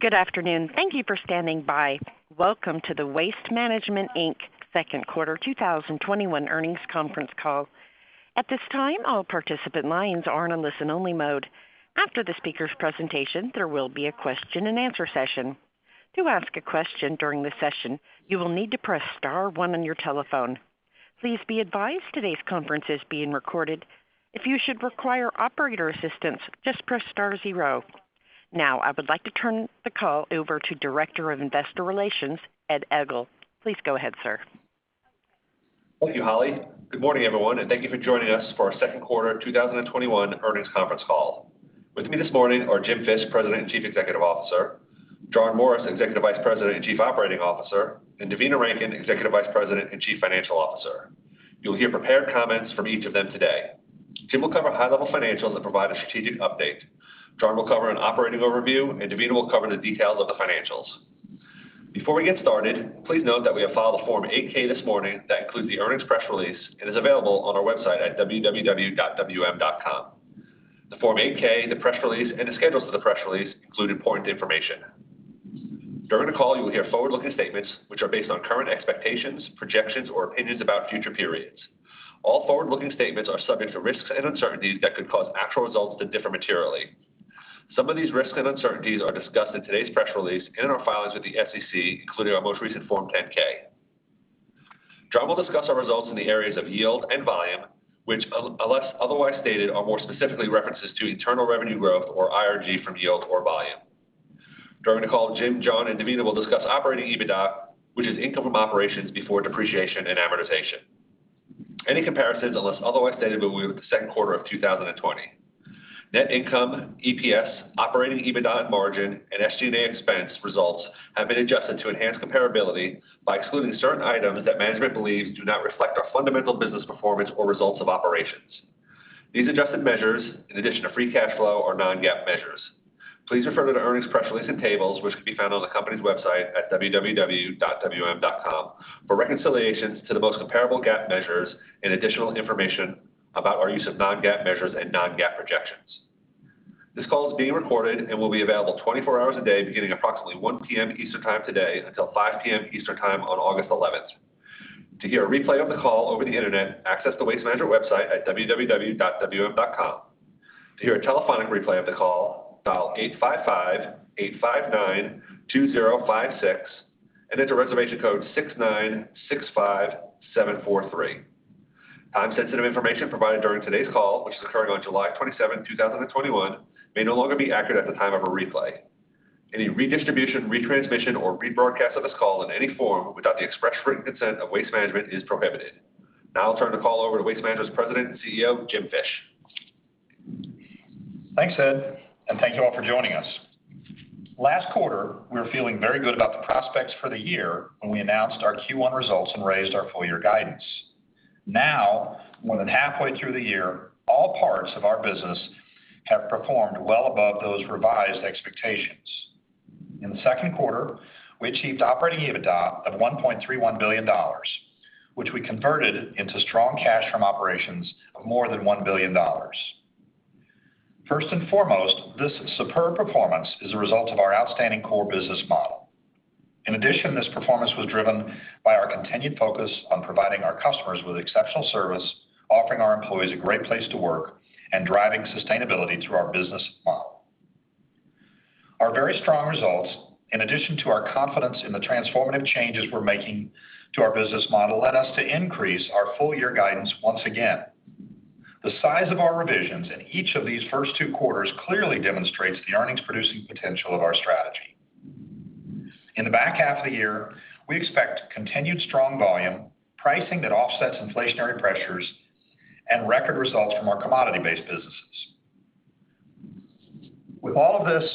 Good afternoon. Thank you for standing by. Welcome to the Waste Management, Inc. second quarter 2021 earnings conference call. At this time, all participant lines are in a listen-only mode. After the speakers' presentation, there will be a question-and-answer session. To ask a question during the session, you will need to press star one on your telephone. Please be advised today's conference is being recorded. If you should require operator assistance, just press star zero. I would like to turn the call over to Director of Investor Relations, Ed Egl. Please go ahead, sir. Thank you, Holly. Good morning, everyone, and thank you for joining us for our second quarter 2021 earnings conference call. With me this morning are Jim Fish, President and Chief Executive Officer, John Morris, Executive Vice President and Chief Operating Officer, and Devina Rankin, Executive Vice President and Chief Financial Officer. You'll hear prepared comments from each of them today. Jim will cover high-level financials and provide a strategic update. John will cover an operating overview, and Devina will cover the details of the financials. Before we get started, please note that we have filed a Form 8-K this morning that includes the earnings press release and is available on our website at wm.com. The Form 8-K, the press release, and the schedules for the press release include important information. During the call, you will hear forward-looking statements, which are based on current expectations, projections, or opinions about future periods. All forward-looking statements are subject to risks and uncertainties that could cause actual results to differ materially. Some of these risks and uncertainties are discussed in today's press release and in our filings with the SEC, including our most recent Form 10-K. John will discuss our results in the areas of yield and volume, which unless otherwise stated, are more specifically references to internal revenue growth, or IRG, from yield or volume. During the call, Jim, John, and Devina will discuss operating EBITDA, which is income from operations before depreciation and amortization. Any comparisons unless otherwise stated will be with the second quarter of 2020. Net income, EPS, operating EBITDA and margin, and SG&A expense results have been adjusted to enhance comparability by excluding certain items that management believes do not reflect our fundamental business performance or results of operations. These adjusted measures, in addition to free cash flow, are non-GAAP measures. Please refer to the earnings press release and tables, which can be found on the company's website at wm.com for reconciliations to the most comparable GAAP measures and additional information about our use of non-GAAP measures and non-GAAP projections. This call is being recorded and will be available 24 hours a day, beginning approximately 1:00 P.M. Eastern Time today until 5:00 P.M. Eastern Time on August 11th. To hear a replay of the call over the internet, access the Waste Management website at wm.com. To hear a telephonic replay of the call, dial 855-859-2056 and enter reservation code 6965743. Time-sensitive information provided during today's call, which is occurring on July 27, 2021, may no longer be accurate at the time of a replay. Any redistribution, retransmission, or rebroadcast of this call in any form without the express written consent of Waste Management is prohibited. I'll turn the call over to Waste Management's President and CEO, Jim Fish. Thanks, Ed, and thank you all for joining us. Last quarter, we were feeling very good about the prospects for the year when we announced our Q1 results and raised our full-year guidance. Now, more than halfway through the year, all parts of our business have performed well above those revised expectations. In the second quarter, we achieved operating EBITDA of $1.31 billion, which we converted into strong cash from operations of more than $1 billion. First and foremost, this superb performance is a result of our outstanding core business model. In addition, this performance was driven by our continued focus on providing our customers with exceptional service, offering our employees a great place to work, and driving sustainability through our business model. Our very strong results, in addition to our confidence in the transformative changes we're making to our business model, led us to increase our full-year guidance once again. The size of our revisions in each of these first two quarters clearly demonstrates the earnings-producing potential of our strategy. In the back half of the year, we expect continued strong volume, pricing that offsets inflationary pressures, and record results from our commodity-based businesses. With all of this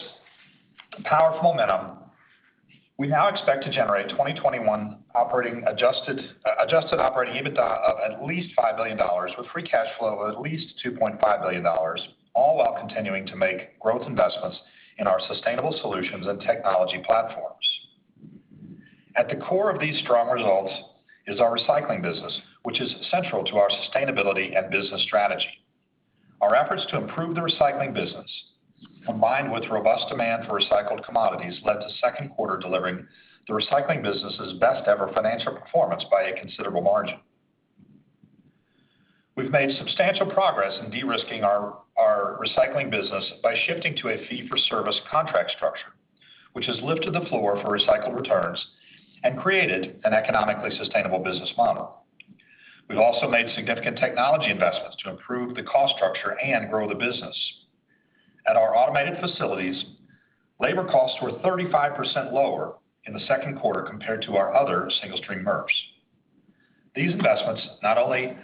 powerful momentum, we now expect to generate 2021 adjusted operating EBITDA of at least $5 billion, with free cash flow of at least $2.5 billion, all while continuing to make growth investments in our sustainable solutions and technology platforms. At the core of these strong results is our recycling business, which is central to our sustainability and business strategy. Our efforts to improve the recycling business, combined with robust demand for recycled commodities, led to second quarter delivering the recycling business's best-ever financial performance by a considerable margin. We've made substantial progress in de-risking our recycling business by shifting to a fee-for-service contract structure, which has lifted the floor for recycled returns and created an economically sustainable business model. We've also made significant technology investments to improve the cost structure and grow the business. At our automated facilities, labor costs were 35% lower in the second quarter compared to our other single-stream MRFs. These investments not only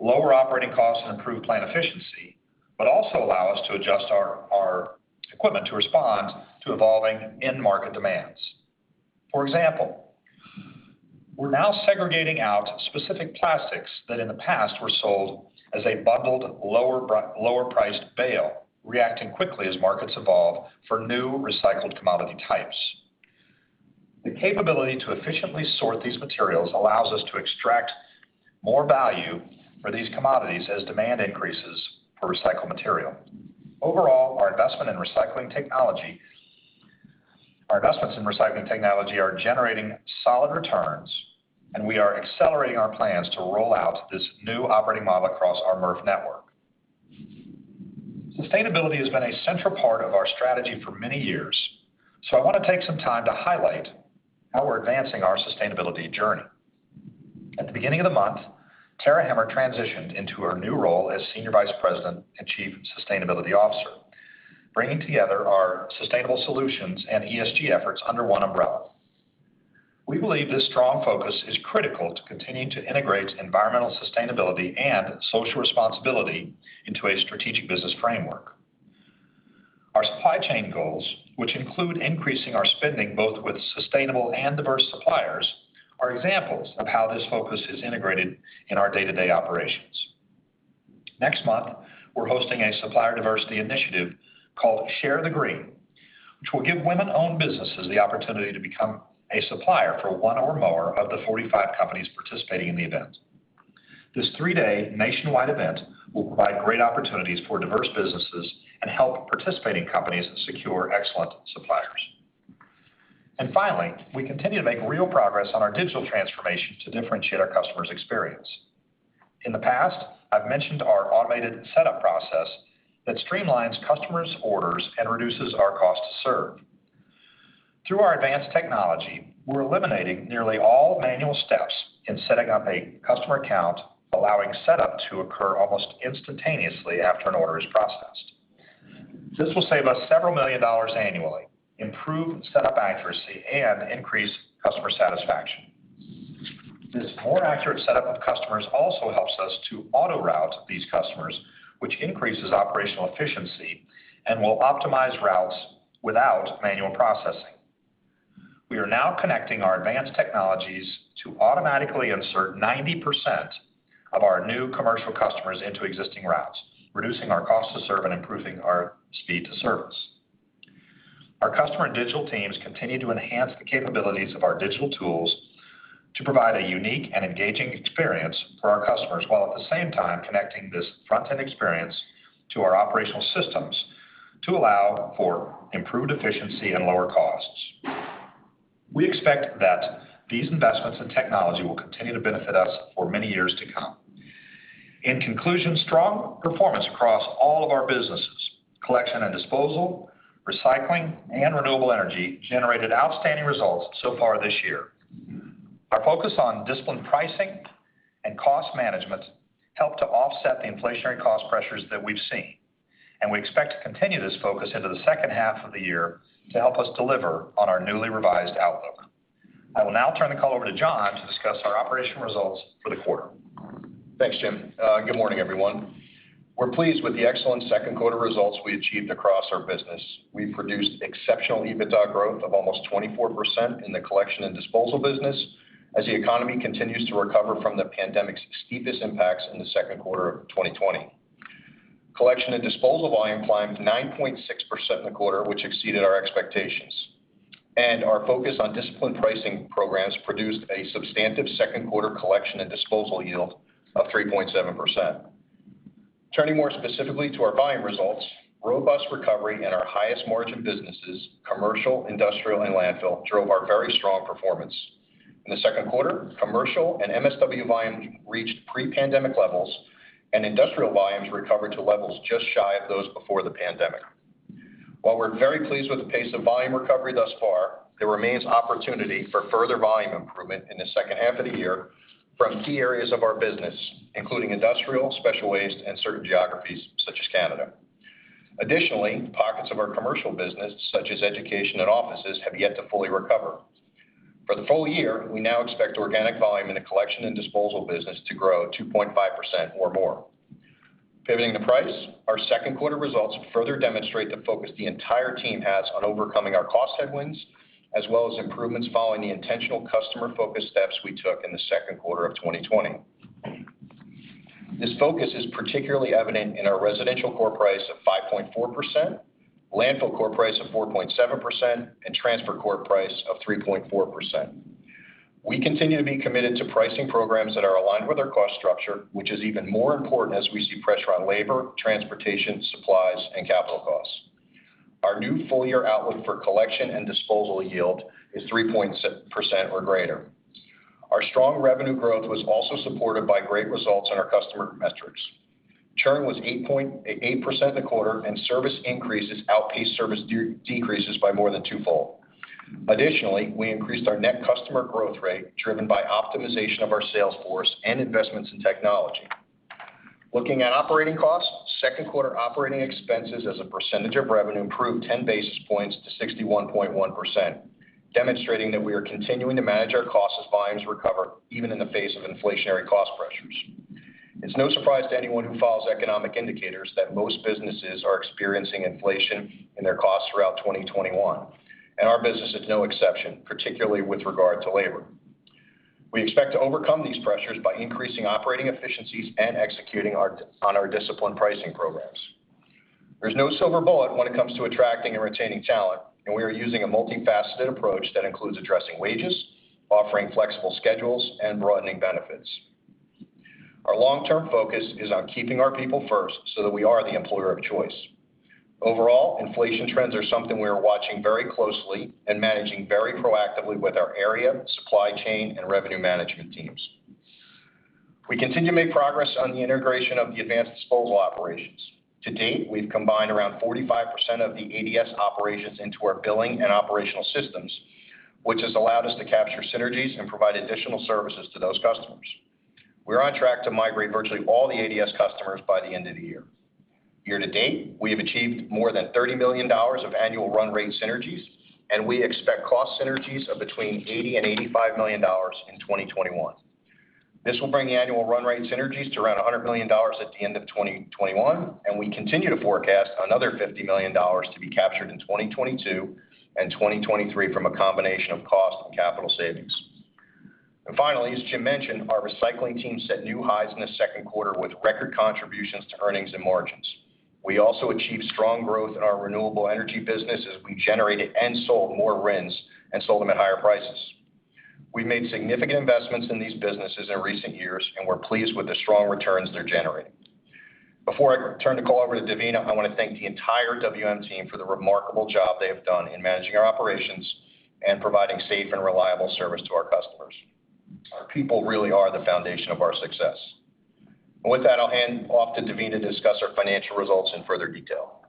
lower operating costs and improve plant efficiency, but also allow us to adjust our equipment to respond to evolving end market demands. For example, we're now segregating out specific plastics that in the past were sold as a bundled lower-priced bale, reacting quickly as markets evolve for new recycled commodity types. The capability to efficiently sort these materials allows us to extract more value for these commodities as demand increases for recycled material. Overall, our investments in recycling technology are generating solid returns, and we are accelerating our plans to roll out this new operating model across our MRF network. Sustainability has been a central part of our strategy for many years. I want to take some time to highlight how we're advancing our sustainability journey. At the beginning of the month, Tara Hemmer transitioned into her new role as Senior Vice President and Chief Sustainability Officer, bringing together our sustainable solutions and ESG efforts under one umbrella. We believe this strong focus is critical to continuing to integrate environmental sustainability and social responsibility into a strategic business framework. Our supply chain goals, which include increasing our spending both with sustainable and diverse suppliers, are examples of how this focus is integrated in our day-to-day operations. Next month, we're hosting a supplier diversity initiative called Share the Green, which will give women-owned businesses the opportunity to become a supplier for one or more of the 45 companies participating in the event. This three-day nationwide event will provide great opportunities for diverse businesses and help participating companies secure excellent suppliers. Finally, we continue to make real progress on our digital transformation to differentiate our customers' experience. In the past, I've mentioned our automated setup process that streamlines customers' orders and reduces our cost to serve. Through our advanced technology, we're eliminating nearly all manual steps in setting up a customer account, allowing setup to occur almost instantaneously after an order is processed. This will save us several million dollars annually, improve setup accuracy, and increase customer satisfaction. This more accurate setup of customers also helps us to auto-route these customers, which increases operational efficiency and will optimize routes without manual processing. We are now connecting our advanced technologies to automatically insert 90% of our new commercial customers into existing routes, reducing our cost to serve and improving our speed to service. Our customer and digital teams continue to enhance the capabilities of our digital tools to provide a unique and engaging experience for our customers, while at the same time connecting this front-end experience to our operational systems to allow for improved efficiency and lower costs. We expect that these investments in technology will continue to benefit us for many years to come. In conclusion, strong performance across all of our businesses. Collection and disposal, recycling, and renewable energy generated outstanding results so far this year. Our focus on disciplined pricing and cost management helped to offset the inflationary cost pressures that we've seen, and we expect to continue this focus into the second half of the year to help us deliver on our newly revised outlook. I will now turn the call over to John to discuss our operational results for the quarter. Thanks, Jim. Good morning, everyone. We're pleased with the excellent second quarter results we achieved across our business. We produced exceptional EBITDA growth of almost 24% in the collection and disposal business as the economy continues to recover from the pandemic's steepest impacts in the second quarter of 2020. Collection and disposal volume climbed 9.6% in the quarter, which exceeded our expectations, and our focus on disciplined pricing programs produced a substantive second quarter collection and disposal yield of 3.7%. Turning more specifically to our volume results, robust recovery in our highest margin businesses, commercial, industrial, and landfill, drove our very strong performance. In the second quarter, commercial and MSW volumes reached pre-pandemic levels, and industrial volumes recovered to levels just shy of those before the pandemic. While we're very pleased with the pace of volume recovery thus far, there remains opportunity for further volume improvement in the second half of the year from key areas of our business, including industrial, special waste, and certain geographies such as Canada. Additionally, pockets of our commercial business, such as education and offices, have yet to fully recover. For the full year, we now expect organic volume in the collection and disposal business to grow 2.5% or more. Pivoting to price, our second quarter results further demonstrate the focus the entire team has on overcoming our cost headwinds, as well as improvements following the intentional customer-focused steps we took in the second quarter of 2020. This focus is particularly evident in our residential core price of 5.4%, landfill core price of 4.7%, and transfer core price of 3.4%. We continue to be committed to pricing programs that are aligned with our cost structure, which is even more important as we see pressure on labor, transportation, supplies, and capital costs. Our new full-year outlook for collection and disposal yield is 3% or greater. Our strong revenue growth was also supported by great results in our customer metrics. Churn was 8.8% in the quarter, and service increases outpaced service decreases by more than twofold. Additionally, we increased our net customer growth rate, driven by optimization of our sales force and investments in technology. Looking at operating costs, second quarter operating expenses as a percentage of revenue improved 10 basis points to 61.1%, demonstrating that we are continuing to manage our costs as volumes recover, even in the face of inflationary cost pressures. It's no surprise to anyone who follows economic indicators that most businesses are experiencing inflation in their costs throughout 2021, and our business is no exception, particularly with regard to labor. We expect to overcome these pressures by increasing operating efficiencies and executing on our disciplined pricing programs. There's no silver bullet when it comes to attracting and retaining talent, and we are using a multifaceted approach that includes addressing wages, offering flexible schedules, and broadening benefits. Our long-term focus is on keeping our people first so that we are the employer of choice. Overall, inflation trends are something we are watching very closely and managing very proactively with our area, supply chain, and revenue management teams. We continue to make progress on the integration of the Advanced Disposal operations. To date, we've combined around 45% of the ADS operations into our billing and operational systems, which has allowed us to capture synergies and provide additional services to those customers. We're on track to migrate virtually all the ADS customers by the end of the year. Year to date, we have achieved more than $30 million of annual run rate synergies, and we expect cost synergies of between $80 million and $85 million in 2021. This will bring the annual run rate synergies to around $100 million at the end of 2021, and we continue to forecast another $50 million to be captured in 2022 and 2023 from a combination of cost and capital savings. Finally, as Jim mentioned, our recycling team set new highs in the second quarter with record contributions to earnings and margins. We also achieved strong growth in our renewable energy business as we generated and sold more RINs and sold them at higher prices. We've made significant investments in these businesses in recent years, and we're pleased with the strong returns they're generating. Before I turn the call over to Devina, I want to thank the entire WM team for the remarkable job they have done in managing our operations and providing safe and reliable service to our customers. Our people really are the foundation of our success. With that, I'll hand off to Devina to discuss our financial results in further detail.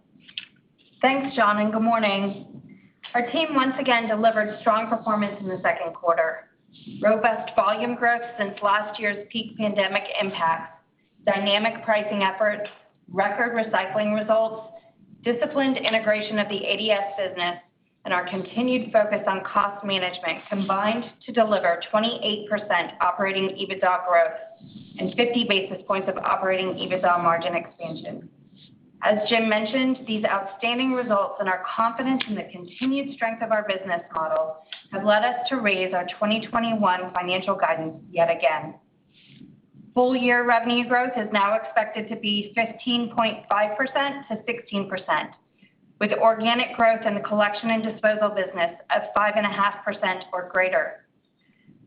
Thanks, John. Good morning. Our team once again delivered strong performance in the second quarter. Robust volume growth since last year's peak pandemic impact, dynamic pricing efforts, record recycling results, disciplined integration of the ADS business, and our continued focus on cost management combined to deliver 28% operating EBITDA growth and 50 basis points of operating EBITDA margin expansion. As Jim mentioned, these outstanding results and our confidence in the continued strength of our business model have led us to raise our 2021 financial guidance yet again. Full-year revenue growth is now expected to be 15.5%-16%, with organic growth in the collection and disposal business of 5.5% or greater.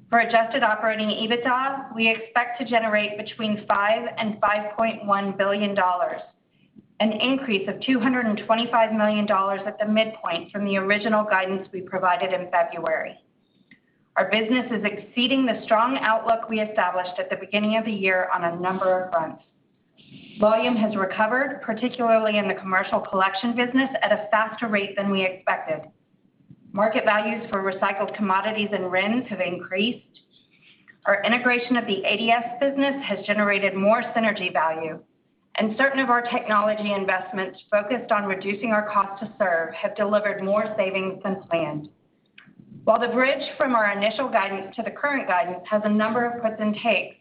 For adjusted operating EBITDA, we expect to generate between $5 billion-$5.1 billion, an increase of $225 million at the midpoint from the original guidance we provided in February. Our business is exceeding the strong outlook we established at the beginning of the year on a number of fronts. Volume has recovered, particularly in the commercial collection business, at a faster rate than we expected. Market values for recycled commodities and RINs have increased. Our integration of the ADS business has generated more synergy value. Certain of our technology investments focused on reducing our cost to serve have delivered more savings than planned. While the bridge from our initial guidance to the current guidance has a number of gives and takes,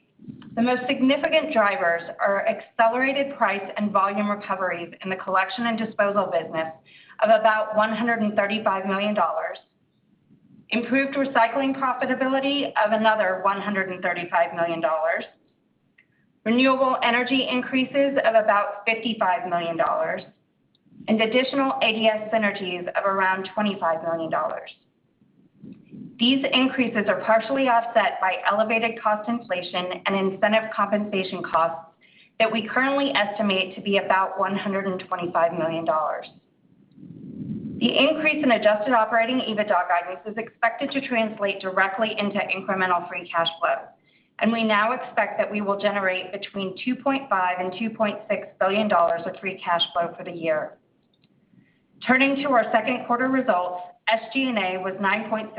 the most significant drivers are accelerated price and volume recoveries in the collection and disposal business of about $135 million, improved recycling profitability of another $135 million, renewable energy increases of about $55 million, and additional ADS synergies of around $25 million. These increases are partially offset by elevated cost inflation and incentive compensation costs that we currently estimate to be about $125 million. The increase in adjusted operating EBITDA guidance is expected to translate directly into incremental free cash flow, and we now expect that we will generate between $2.5 billion and $2.6 billion of free cash flow for the year. Turning to our second quarter results, SG&A was 9.6%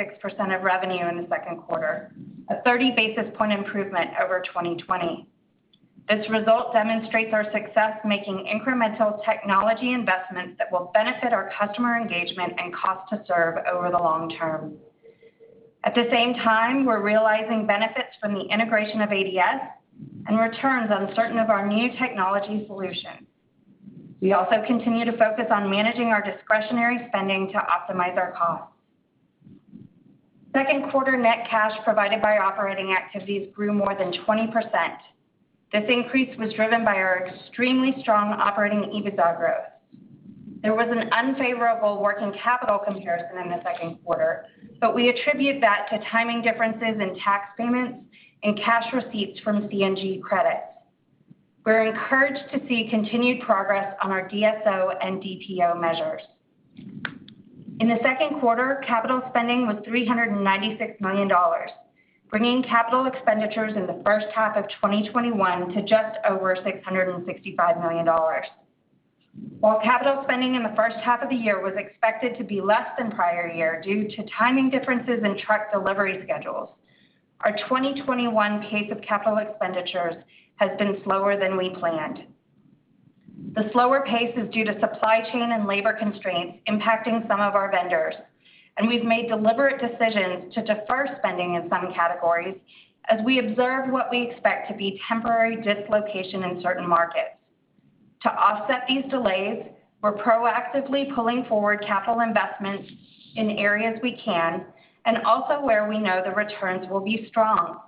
of revenue in the second quarter, a 30-basis point improvement over 2020. This result demonstrates our success making incremental technology investments that will benefit our customer engagement and cost to serve over the long term. At the same time, we're realizing benefits from the integration of ADS and returns on certain of our new technology solutions. We also continue to focus on managing our discretionary spending to optimize our costs. Second quarter net cash provided by operating activities grew more than 20%. This increase was driven by our extremely strong operating EBITDA growth. There was an unfavorable working capital comparison in the second quarter. We attribute that to timing differences in tax payments and cash receipts from CNG credits. We're encouraged to see continued progress on our DSO and DPO measures. In the second quarter, capital spending was $396 million, bringing capital expenditures in the first half of 2021 to just over $665 million. While capital spending in the first half of the year was expected to be less than prior year due to timing differences in truck delivery schedules, our 2021 pace of capital expenditures has been slower than we planned. The slower pace is due to supply chain and labor constraints impacting some of our vendors, and we've made deliberate decisions to defer spending in some categories as we observe what we expect to be temporary dislocation in certain markets. To offset these delays, we're proactively pulling forward capital investments in areas we can, and also where we know the returns will be strong.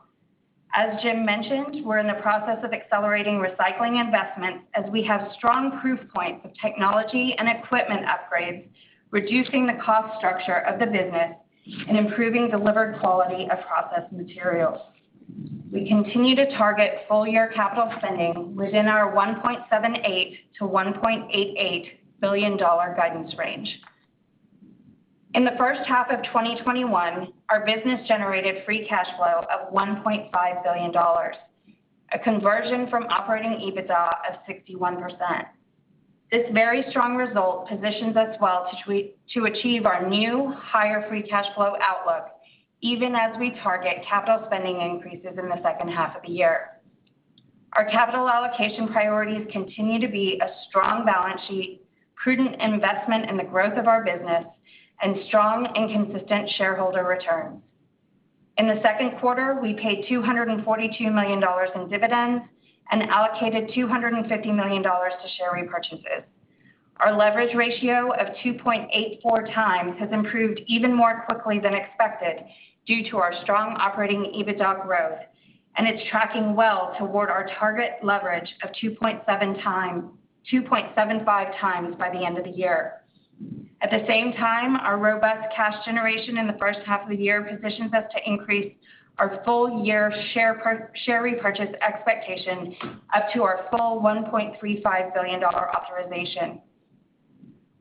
As Jim mentioned, we're in the process of accelerating recycling investments as we have strong proof points of technology and equipment upgrades, reducing the cost structure of the business and improving delivered quality of processed materials. We continue to target full-year capital spending within our $1.78 billion-$1.88 billion guidance range. In the first half of 2021, our business generated free cash flow of $1.5 billion, a conversion from operating EBITDA of 61%. This very strong result positions us well to achieve our new higher free cash flow outlook, even as we target capital spending increases in the second half of the year. Our capital allocation priorities continue to be a strong balance sheet, prudent investment in the growth of our business, and strong and consistent shareholder returns. In the second quarter, we paid $242 million in dividends and allocated $250 million to share repurchases. Our leverage ratio of 2.84x has improved even more quickly than expected due to our strong operating EBITDA growth, and it's tracking well toward our target leverage of 2.75x by the end of the year. At the same time, our robust cash generation in the first half of the year positions us to increase our full-year share repurchase expectation up to our full $1.35 billion authorization.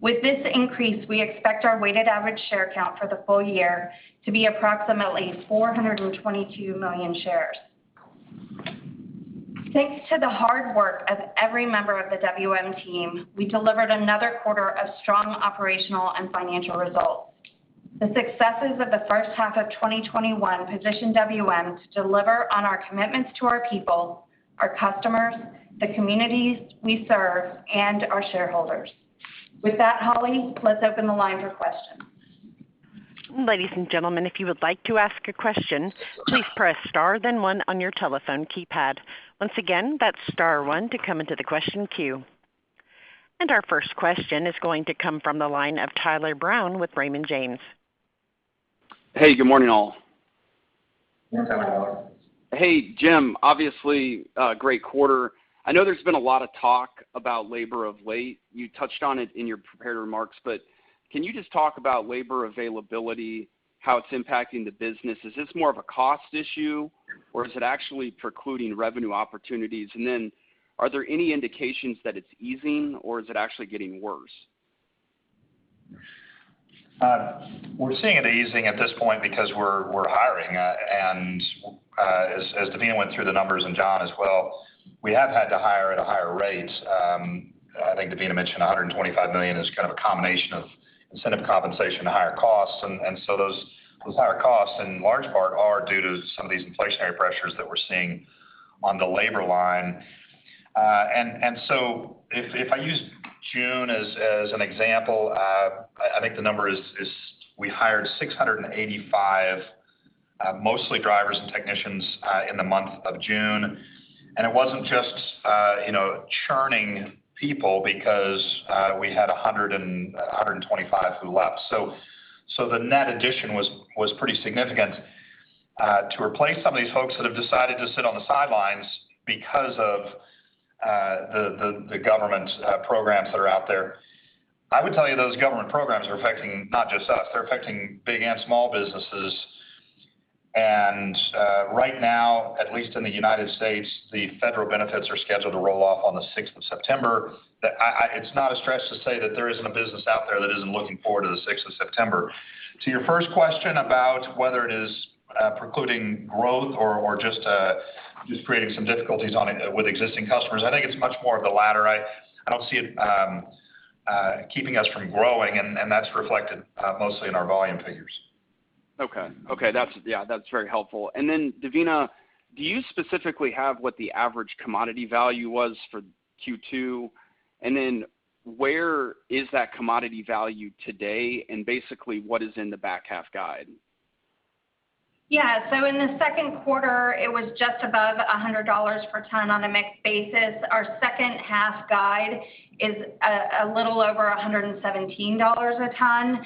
With this increase, we expect our weighted average share count for the full year to be approximately 422 million shares. Thanks to the hard work of every member of the WM team, we delivered another quarter of strong operational and financial results. The successes of the first half of 2021 position WM to deliver on our commitments to our people, our customers, the communities we serve, and our shareholders. With that, Holly, let's open the line for questions. Ladies and gentlemen, if you would like to ask a question, please press star one on your telephone keypad. Once again, that's star one to come into the question queue. Our first question is going to come from the line of Tyler Brown with Raymond James. Hey, good morning, all. Good morning, Tyler. Hey, Jim. Obviously great quarter. I know there's been a lot of talk about labor of late. You touched on it in your prepared remarks, but can you just talk about labor availability, how it's impacting the business? Is this more of a cost issue or is it actually precluding revenue opportunities? Are there any indications that it's easing or is it actually getting worse? We're seeing it easing at this point because we're hiring. As Devina went through the numbers and John as well, we have had to hire at a higher rate. I think Devina mentioned $125 million is kind of a combination of incentive compensation to higher costs. Those higher costs in large part are due to some of these inflationary pressures that we're seeing on the labor line. If I use June as an example, I think the number is, we hired 685, mostly drivers and technicians, in the month of June. It wasn't just churning people because we had 125 who left. The net addition was pretty significant to replace some of these folks that have decided to sit on the sidelines because of the government programs that are out there. I would tell you those government programs are affecting not just us. They're affecting big and small businesses and right now, at least in the United States, the federal benefits are scheduled to roll off on the 6th of September. It's not a stretch to say that there isn't a business out there that isn't looking forward to the 6th of September. To your first question about whether it is precluding growth or just creating some difficulties with existing customers, I think it's much more of the latter. I don't see it keeping us from growing, and that's reflected mostly in our volume figures. Okay. Yeah, that's very helpful. Devina, do you specifically have what the average commodity value was for Q2? Where is that commodity value today and basically what is in the back half guide? Yeah. In the second quarter it was just above $100 per ton on a mix basis. Our second half guide is a little over $117 a ton,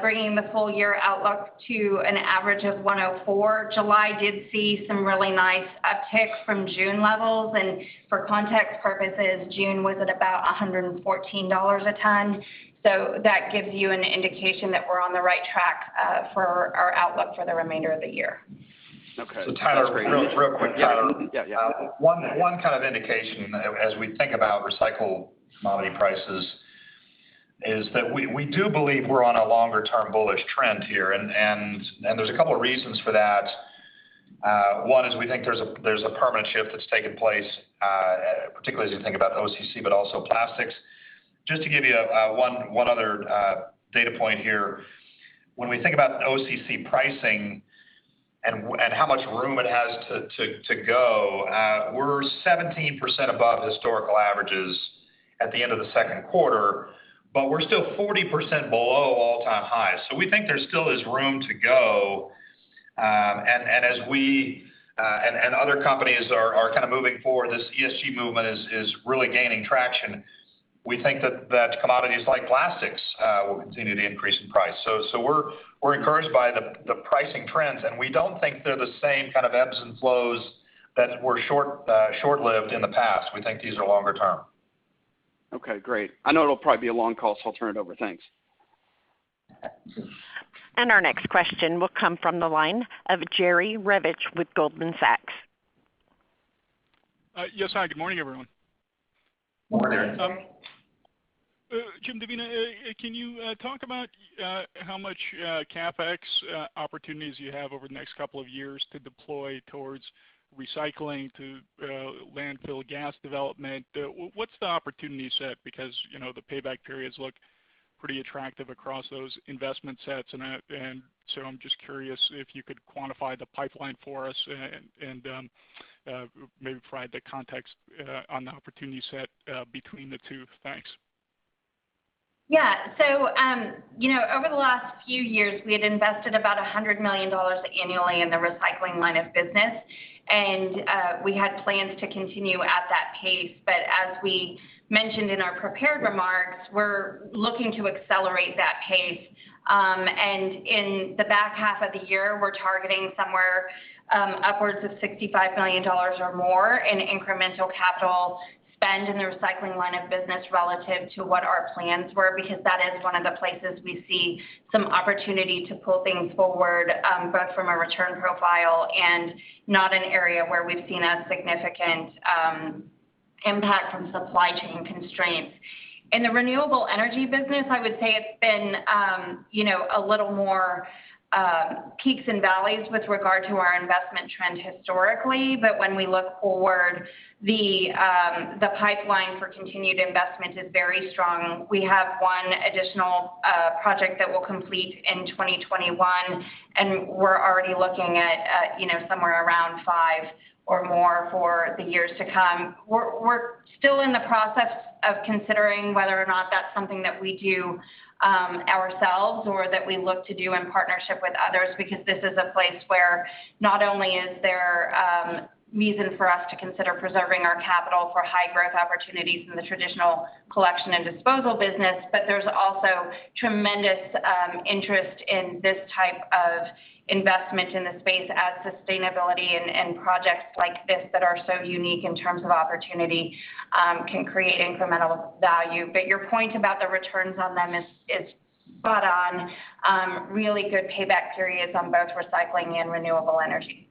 bringing the full year outlook to an average of $104. July did see some really nice uptick from June levels. For context purposes, June was at about $114 a ton. That gives you an indication that we're on the right track for our outlook for the remainder of the year. Okay. That's great. Tyler, real quick. Yeah. One kind of indication as we think about recycled commodity prices is that we do believe we're on a longer-term bullish trend here, and there's a couple reasons for that. One is we think there's a permanent shift that's taken place, particularly as you think about OCC, but also plastics. Just to give you one other data point here. When we think about OCC pricing and how much room it has to go, we're 17% above historical averages at the end of the second quarter, but we're still 40% below all-time highs. We think there still is room to go. As we and other companies are moving forward, this ESG movement is really gaining traction. We think that commodities like plastics will continue to increase in price. We're encouraged by the pricing trends, and we don't think they're the same kind of ebbs and flows that were short-lived in the past. We think these are longer term. Okay, great. I know it'll probably be a long call, so I'll turn it over. Thanks. Our next question will come from the line of Jerry Revich with Goldman Sachs. Yes, hi. Good morning, everyone. Morning. Jim, Devina, can you talk about how much CapEx opportunities you have over the next couple of years to deploy towards recycling, to landfill gas development? What's the opportunity set? The payback periods look pretty attractive across those investment sets, and so I'm just curious if you could quantify the pipeline for us and maybe provide the context on the opportunity set between the two. Thanks. Yeah. Over the last few years, we had invested about $100 million annually in the recycling line of business, and we had plans to continue at that pace. As we mentioned in our prepared remarks, we're looking to accelerate that pace. In the back half of the year, we're targeting somewhere upwards of $65 million or more in incremental capital spend in the recycling line of business relative to what our plans were, because that is one of the places we see some opportunity to pull things forward, both from a return profile and not an area where we've seen a significant impact from supply chain constraints. In the renewable energy business, I would say it's been a little more peaks and valleys with regard to our investment trend historically. When we look forward, the pipeline for continued investment is very strong. We have one additional project that we'll complete in 2021, and we're already looking at somewhere around five or more for the years to come. We're still in the process of considering whether or not that's something that we do ourselves or that we look to do in partnership with others, because this is a place where not only is there reason for us to consider preserving our capital for high-growth opportunities in the traditional collection and disposal business, but there's also tremendous interest in this type of investment in the space as sustainability and projects like this that are so unique in terms of opportunity can create incremental value. Your point about the returns on them is spot on. Really good payback periods on both recycling and renewable energy.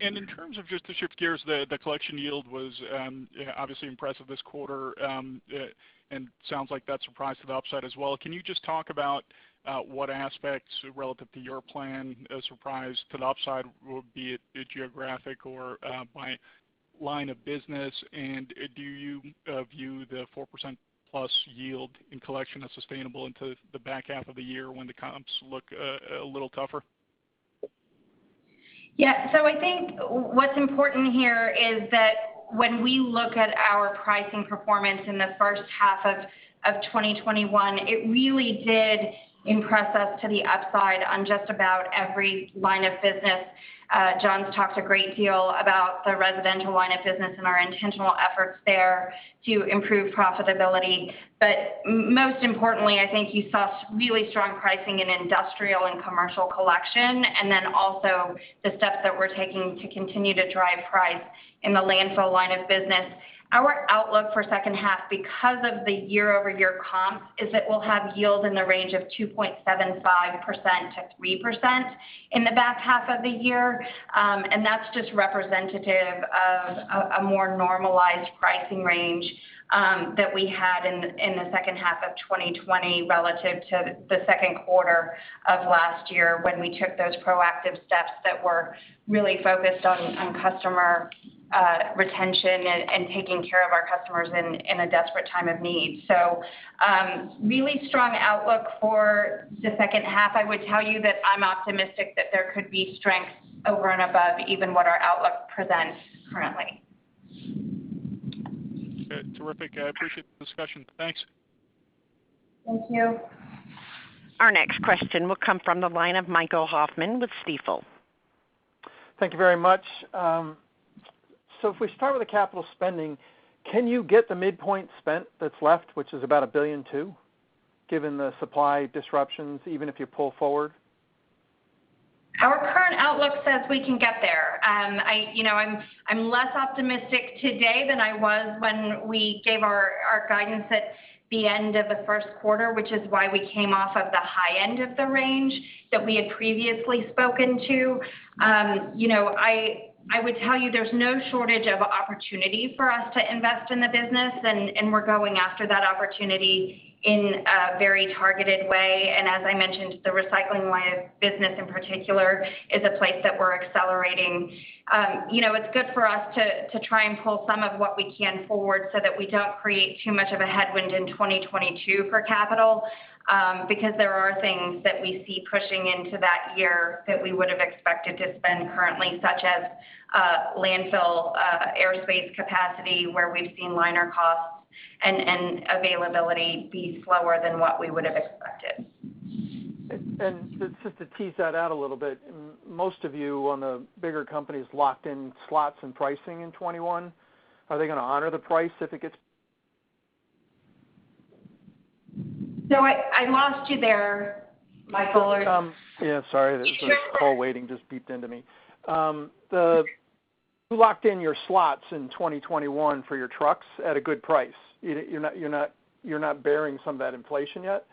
In terms of, just to shift gears, the collection yield was obviously impressive this quarter, and sounds like that surprised to the upside as well. Can you just talk about what aspects relative to your plan surprised to the upside, be it geographic or by line of business? Do you view the 4%+ yield in collection as sustainable into the back half of the year when the comps look a little tougher? I think what's important here is that when we look at our pricing performance in the first half of 2021, it really did impress us to the upside on just about every line of business. John's talked a great deal about the residential line of business and our intentional efforts there to improve profitability. Most importantly, I think you saw really strong pricing in industrial and commercial collection, also the steps that we're taking to continue to drive price in the landfill line of business. Our outlook for second half, because of the year-over-year comps, is that we'll have yield in the range of 2.75%-3% in the back half of the year. That's just representative of a more normalized pricing range that we had in the second half of 2020 relative to the second quarter of last year when we took those proactive steps that were really focused on customer retention and taking care of our customers in a desperate time of need. Really strong outlook for the second half. I would tell you that I'm optimistic that there could be strength over and above even what our outlook presents currently. Okay. Terrific. I appreciate the discussion. Thanks. Thank you. Our next question will come from the line of Michael Hoffman with Stifel. Thank you very much. If we start with the capital spending, can you get the midpoint spent that's left, which is about $1.2 billion, given the supply disruptions, even if you pull forward? Our current outlook says we can get there. I'm less optimistic today than I was when we gave our guidance at the end of the 1st quarter, which is why we came off of the high end of the range that we had previously spoken to. I would tell you there's no shortage of opportunity for us to invest in the business, and we're going after that opportunity in a very targeted way. As I mentioned, the recycling line of business in particular is a place that we're accelerating. It's good for us to try and pull some of what we can forward so that we don't create too much of a headwind in 2022 for capital, because there are things that we see pushing into that year that we would have expected to spend currently, such as landfill airspace capacity, where we've seen liner costs and availability be slower than what we would have expected. Just to tease that out a little bit, most of you on the bigger companies locked in slots and pricing in 2021. Are they going to honor the price if it gets- I lost you there, Michael. Yeah, sorry. It's just- The call waiting just beeped into me. You locked in your slots in 2021 for your trucks at a good price. You're not bearing some of that inflation yet.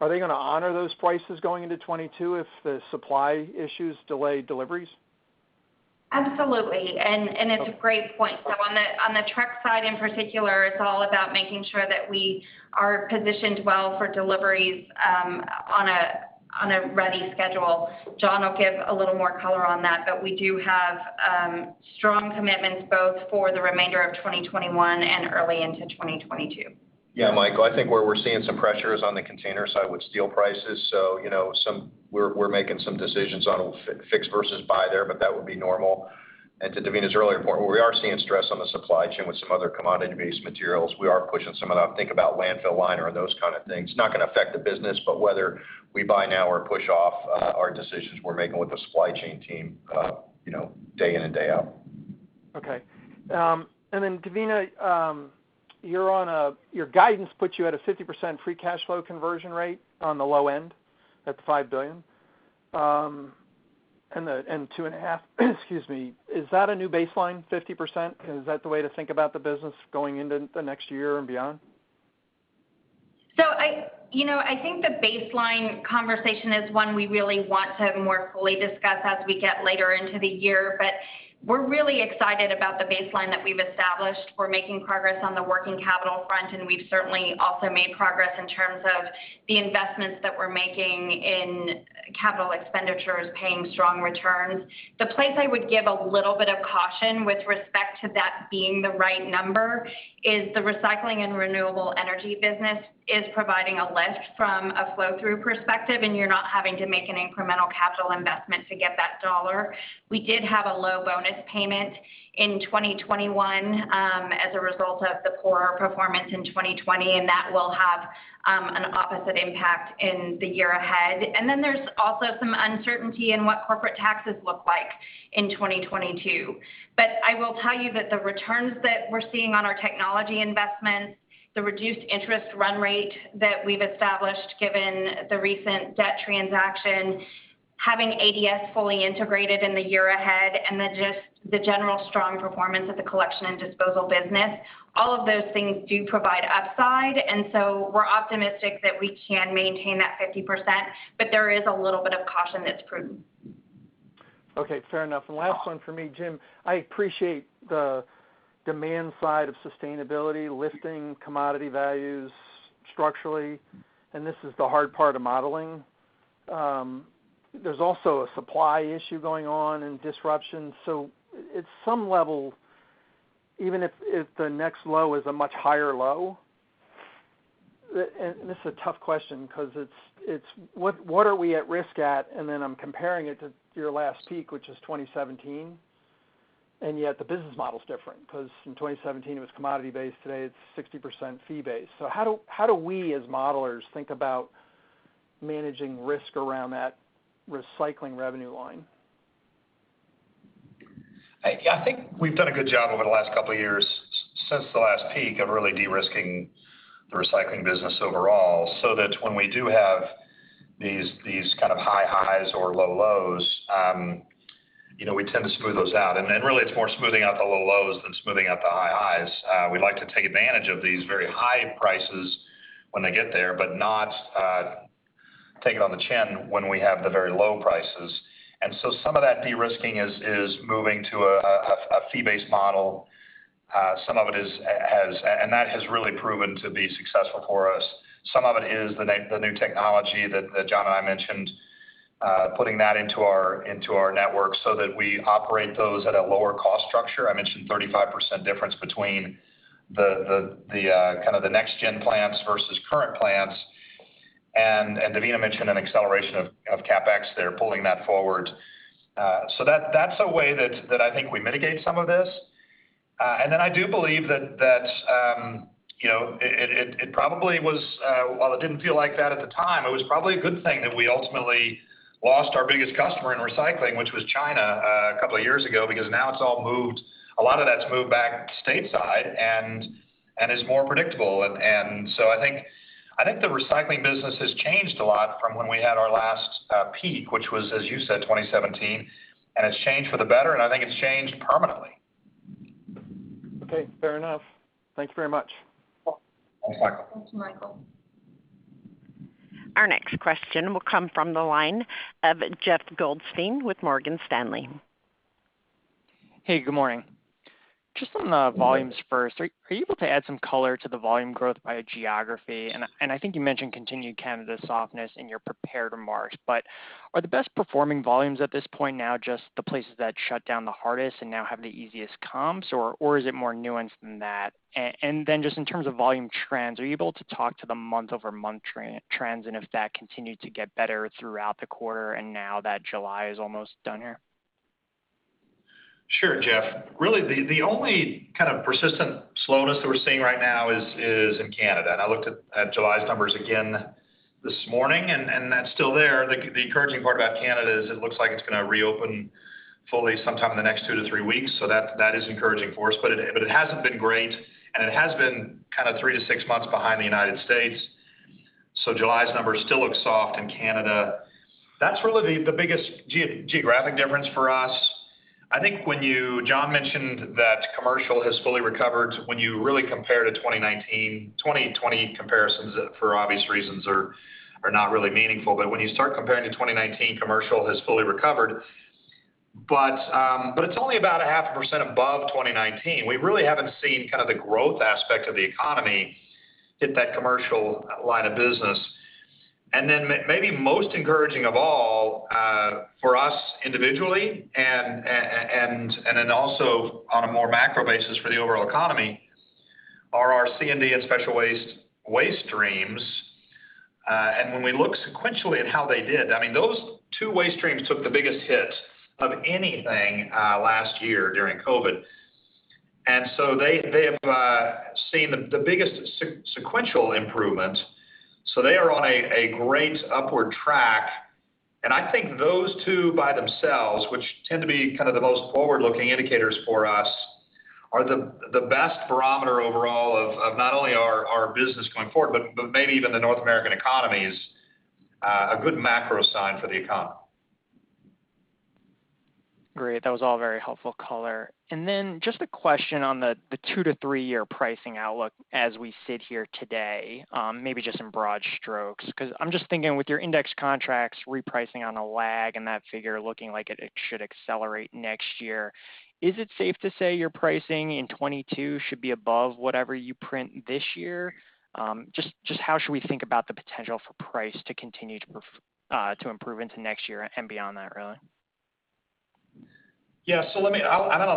Are they going to honor those prices going into 2022 if the supply issues delay deliveries? Absolutely. It's a great point. On the truck side in particular, it's all about making sure that we are positioned well for deliveries on a ready schedule. John will give a little more color on that, but we do have strong commitments both for the remainder of 2021 and early into 2022. Yeah, Michael, I think where we're seeing some pressure is on the container side with steel prices. We're making some decisions on fixed versus buy there, but that would be normal. To Devina's earlier point, where we are seeing stress on the supply chain with some other commodity-based materials, we are pushing some of that. Think about landfill liner and those kind of things. Not going to affect the business, but whether we buy now or push off are decisions we're making with the supply chain team, day in and day out. Okay. Then Devina, your guidance puts you at a 50% free cash flow conversion rate on the low end at the $5 billion, and two and a half excuse me. Is that a new baseline, 50%? Is that the way to think about the business going into the next year and beyond? I think the baseline conversation is one we really want to more fully discuss as we get later into the year. We're really excited about the baseline that we've established. We're making progress on the working capital front, and we've certainly also made progress in terms of the investments that we're making in capital expenditures paying strong returns. The place I would give a little bit of caution with respect to that being the right number is the recycling and renewable energy business is providing a lift from a flow-through perspective, and you're not having to make an incremental capital investment to get that dollar. We did have a low bonus payment in 2021, as a result of the poorer performance in 2020, and that will have an opposite impact in the year ahead. Then there's also some uncertainty in what corporate taxes look like in 2022. I will tell you that the returns that we're seeing on our technology investments, the reduced interest run rate that we've established given the recent debt transaction, having ADS fully integrated in the year ahead, and then just the general strong performance of the collection and disposal business, all of those things do provide upside. We're optimistic that we can maintain that 50%, but there is a little bit of caution that's prudent. Okay, fair enough. Last one from me, Jim, I appreciate the demand side of sustainability, lifting commodity values structurally, this is the hard part of modeling. There's also a supply issue going on and disruption. At some level, even if the next low is a much higher low, this is a tough question because it's what are we at risk at, I'm comparing it to your last peak, which is 2017. Yet the business model's different because in 2017 it was commodity-based, today it's 60% fee-based. How do we as modelers think about managing risk around that recycling revenue line? I think we've done a good job over the last couple of years since the last peak of really de-risking the recycling business overall, so that when we do have these kind of high highs or low lows, we tend to smooth those out. Really it's more smoothing out the low lows than smoothing out the high highs. We like to take advantage of these very high prices when they get there, not take it on the chin when we have the very low prices. Some of that de-risking is moving to a fee-based model. That has really proven to be successful for us. Some of it is the new technology that John and I mentioned, putting that into our network so that we operate those at a lower cost structure. I mentioned 35% difference between the next gen plants versus current plants. Devina mentioned an acceleration of CapEx there, pulling that forward. That's a way that I think we mitigate some of this. I do believe that it probably was, while it didn't feel like that at the time, it was probably a good thing that we ultimately lost our biggest customer in recycling, which was China, a couple of years ago, because now a lot of that's moved back stateside and is more predictable. I think the recycling business has changed a lot from when we had our last peak, which was, as you said, 2017, and it's changed for the better, and I think it's changed permanently. Okay, fair enough. Thank you very much. Thanks, Michael. Thanks, Michael. Our next question will come from the line of Jeffrey Goodstein with Morgan Stanley. Hey, good morning. Just on the volumes first, are you able to add some color to the volume growth by geography? I think you mentioned continued Canada softness in your prepared remarks. Are the best performing volumes at this point now just the places that shut down the hardest and now have the easiest comps, or is it more nuanced than that? Just in terms of volume trends, are you able to talk to the month-over-month trends and if that continued to get better throughout the quarter and now that July is almost done here? Sure, Jeff. Really, the only kind of persistent slowness that we're seeing right now is in Canada. I looked at July's numbers again this morning, that's still there. The encouraging part about Canada is it looks like it's going to reopen fully sometime in the next two to three weeks, that is encouraging for us. It hasn't been great, and it has been kind of three to six months behind the United States. July's numbers still look soft in Canada. That's really the biggest geographic difference for us. I think when you, John, mentioned that commercial has fully recovered, when you really compare to 2019, 2020 comparisons, for obvious reasons, are not really meaningful. When you start comparing to 2019, commercial has fully recovered. It's only about a half a percent above 2019. We really haven't seen the growth aspect of the economy hit that commercial line of business. Maybe most encouraging of all, for us individually and then also on a more macro basis for the overall economy, are our C&D and special waste waste streams. When we look sequentially at how they did, those two waste streams took the biggest hit of anything last year during COVID. They have seen the biggest sequential improvement, so they are on a great upward track. I think those two by themselves, which tend to be kind of the most forward-looking indicators for us, are the best barometer overall of not only our business going forward, but maybe even the North American economy's, a good macro sign for the economy. Great. That was all very helpful color. Just a question on the two to three year pricing outlook as we sit here today, maybe just in broad strokes. I'm just thinking with your index contracts repricing on a lag and that figure looking like it should accelerate next year, is it safe to say your pricing in 2022 should be above whatever you print this year? Just how should we think about the potential for price to continue to improve into next year and beyond that, really? Yeah. I'm going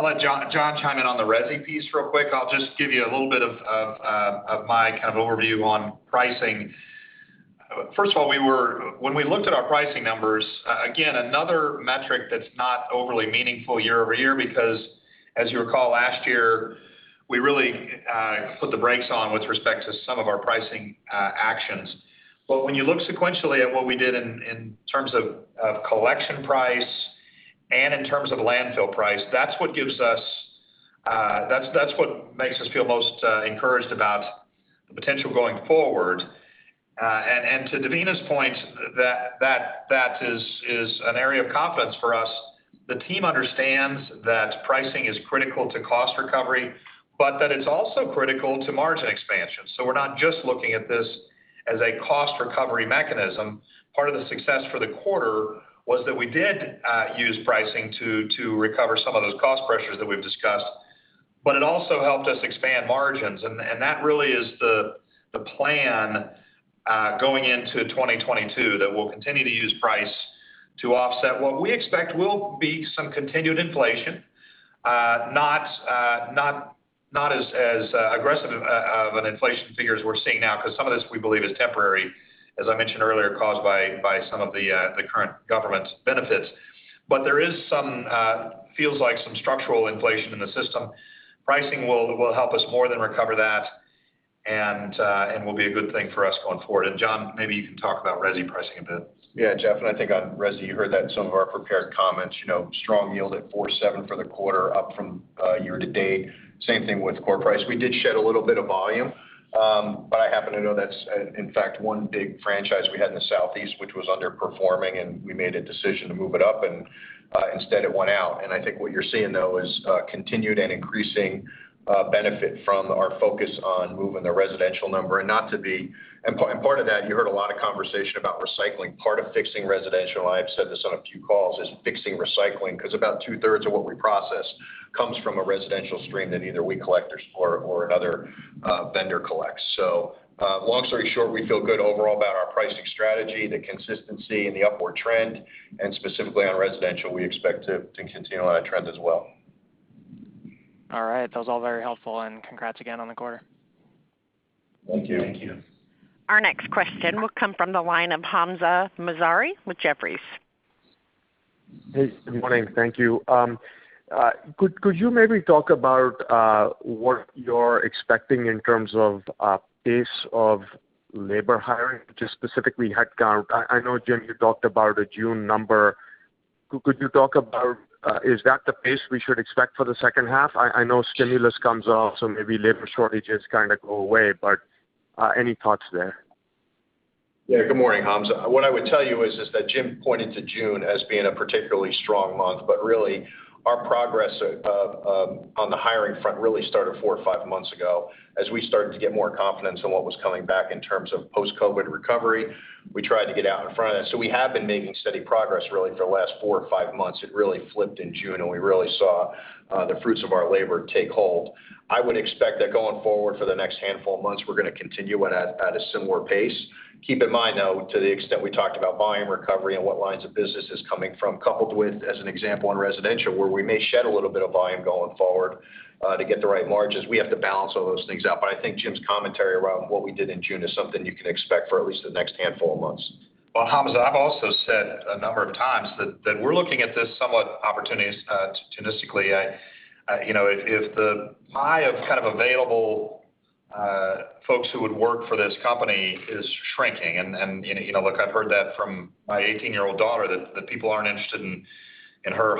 to let John chime in on the resi piece real quick. I'll just give you a little bit of my kind of overview on pricing. First of all, when we looked at our pricing numbers, again, another metric that's not overly meaningful year-over-year because, as you recall, last year, we really put the brakes on with respect to some of our pricing actions. When you look sequentially at what we did in terms of collection price and in terms of landfill price, that's what makes us feel most encouraged about the potential going forward. To Devina's point, that is an area of confidence for us. The team understands that pricing is critical to cost recovery, but that it's also critical to margin expansion. We're not just looking at this as a cost recovery mechanism. Part of the success for the quarter was that we did use pricing to recover some of those cost pressures that we've discussed, but it also helped us expand margins. That really is the plan going into 2022, that we'll continue to use price to offset what we expect will be some continued inflation, not as aggressive of an inflation figure as we're seeing now, because some of this, we believe, is temporary, as I mentioned earlier, caused by some of the current government benefits. There is some, feels like some structural inflation in the system. Pricing will help us more than recover that and will be a good thing for us going forward. John, maybe you can talk about resi pricing a bit. Yeah, Jeff, I think on resi, you heard that in some of our prepared comments. Strong yield at 4.7 for the quarter, up from year to date. Same thing with core price. We did shed a little bit of volume, I happen to know that's, in fact, one big franchise we had in the Southeast, which was underperforming, we made a decision to move it up and instead it went out. I think what you're seeing, though, is continued and increasing benefit from our focus on moving the residential number. Part of that, you heard a lot of conversation about recycling. Part of fixing residential, I have said this on a few calls, is fixing recycling, because about two-thirds of what we process comes from a residential stream that either we collect or another vendor collects. Long story short, we feel good overall about our pricing strategy, the consistency, and the upward trend, and specifically on residential, we expect to continue on that trend as well. All right. That was all very helpful. Congrats again on the quarter. Thank you. Thank you. Our next question will come from the line of Hamzah Mazari with Jefferies. Hey, good morning. Thank you. Could you maybe talk about what you're expecting in terms of pace of labor hiring, just specifically headcount? I know, Jim, you talked about a June number. Could you talk about, is that the pace we should expect for the second half? I know stimulus comes off, so maybe labor shortages kind of go away, but any thoughts there? Yeah. Good morning, Hamzah. Really our progress on the hiring front really started four or five months ago as we started to get more confidence in what was coming back in terms of post-COVID recovery. We tried to get out in front of that. We have been making steady progress, really, for the last four or five months. It really flipped in June. We really saw the fruits of our labor take hold. I would expect that going forward for the next handful of months, we're going to continue at a similar pace. Keep in mind, though, to the extent we talked about volume recovery and what lines of business is coming from, coupled with, as an example, on residential, where we may shed a little bit of volume going forward to get the right margins. We have to balance all those things out. I think Jim's commentary around what we did in June is something you can expect for at least the next handful of months. Well, Hamzah, I've also said a number of times that we're looking at this somewhat opportunistically. If the pie of available folks who would work for this company is shrinking, and look, I've heard that from my 18-year-old daughter that people aren't interested in her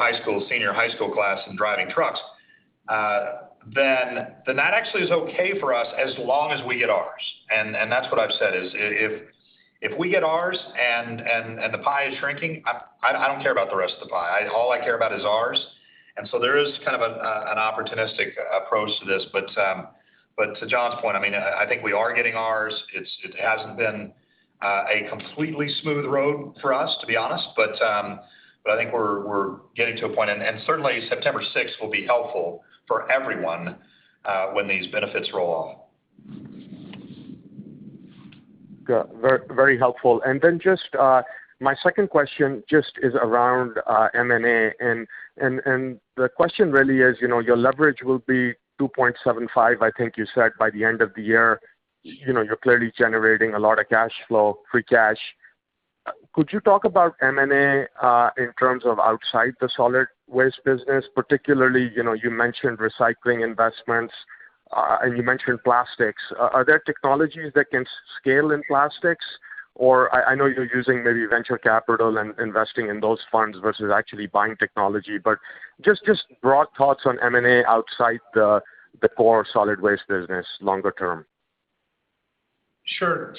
senior high school class in driving trucks, then that actually is okay for us as long as we get ours. That's what I've said is, if we get ours and the pie is shrinking, I don't care about the rest of the pie. All I care about is ours. There is kind of an opportunistic approach to this. To John's point, I think we are getting ours. It hasn't been a completely smooth road for us, to be honest, but I think we're getting to a point, and certainly September 6th will be helpful for everyone when these benefits roll off. Got it. Very helpful. My second question just is around M&A. The question really is, your leverage will be 2.75, I think you said, by the end of the year. You're clearly generating a lot of cash flow, free cash. Could you talk about M&A in terms of outside the solid waste business? Particularly, you mentioned recycling investments, and you mentioned plastics. Are there technologies that can scale in plastics, or I know you're using maybe venture capital and investing in those funds versus actually buying technology, but just broad thoughts on M&A outside the core solid waste business longer term. Sure.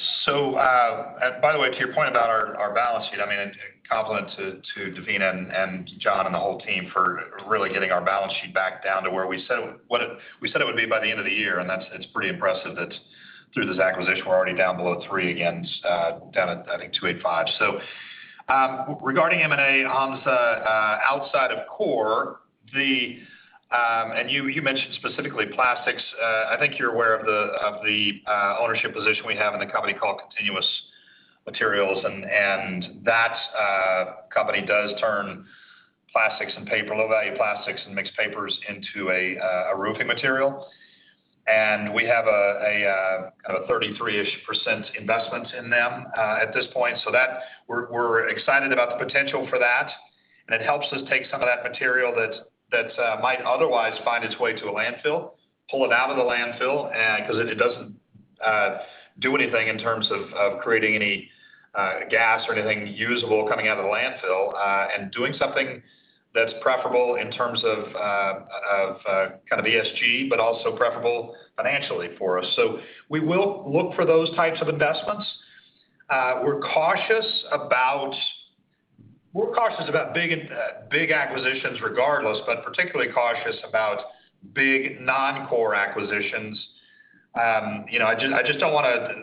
By the way, to your point about our balance sheet, compliment to Devina and John and the whole team for really getting our balance sheet back down to where we said it would be by the end of the year, and that's pretty impressive that through this acquisition, we're already down below three again, down at, I think, 2.85. Regarding M&A, Hamzah, outside of core, and you mentioned specifically plastics, I think you're aware of the ownership position we have in the company called Continuus Materials, and that company does turn low-value plastics and mixed papers into a roofing material. We have a 33-ish% investment in them at this point. We're excited about the potential for that. It helps us take some of that material that might otherwise find its way to a landfill, pull it out of the landfill, because it doesn't do anything in terms of creating any gas or anything usable coming out of the landfill, and doing something that's preferable in terms of ESG, but also preferable financially for us. We will look for those types of investments. We're cautious about big acquisitions regardless, but particularly cautious about big non-core acquisitions. I just don't want to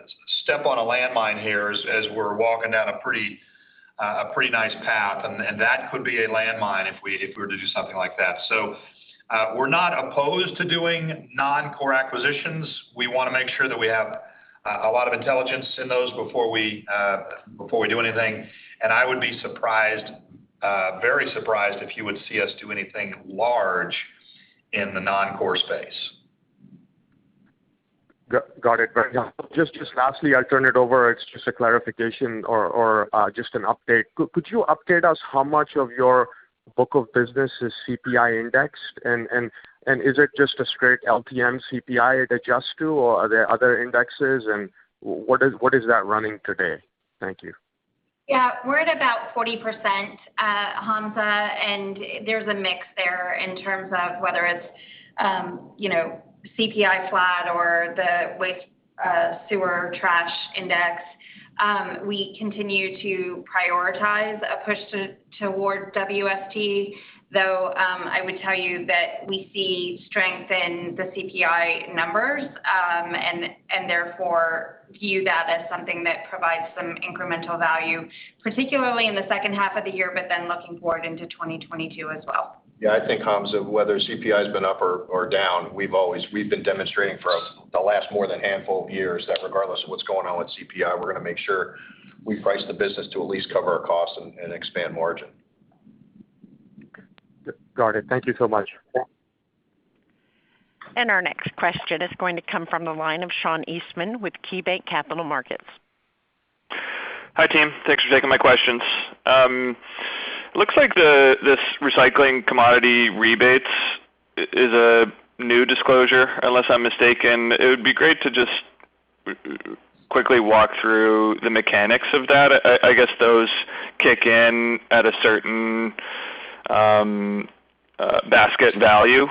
step on a landmine here as we're walking down a pretty nice path, and that could be a landmine if we were to do something like that. We're not opposed to doing non-core acquisitions. We want to make sure that we have a lot of intelligence in those before we do anything. I would be very surprised if you would see us do anything large in the non-core space. Got it. Just lastly, I'll turn it over. It's just a clarification or just an update. Could you update us how much of your book of business is CPI indexed, and is it just a straight LTM CPI it adjusts to, or are there other indexes, and what is that running today? Thank you. We're at about 40%, Hamzah. There's a mix there in terms of whether it's CPI flat or the Water-Sewer-Trash index. We continue to prioritize a push toward WST, though I would tell you that we see strength in the CPI numbers. Therefore, view that as something that provides some incremental value, particularly in the second half of the year. Looking forward into 2022 as well. I think, Hamzah, whether CPI's been up or down, we've been demonstrating for the last more than handful of years that regardless of what's going on with CPI, we're going to make sure we price the business to at least cover our costs and expand margin. Got it. Thank you so much. Our next question is going to come from the line of Sean Eastman with KeyBanc Capital Markets. Hi, team. Thanks for taking my questions. Looks like this recycling commodity rebates is a new disclosure, unless I'm mistaken. It would be great to just quickly walk through the mechanics of that. I guess those kick in at a certain basket value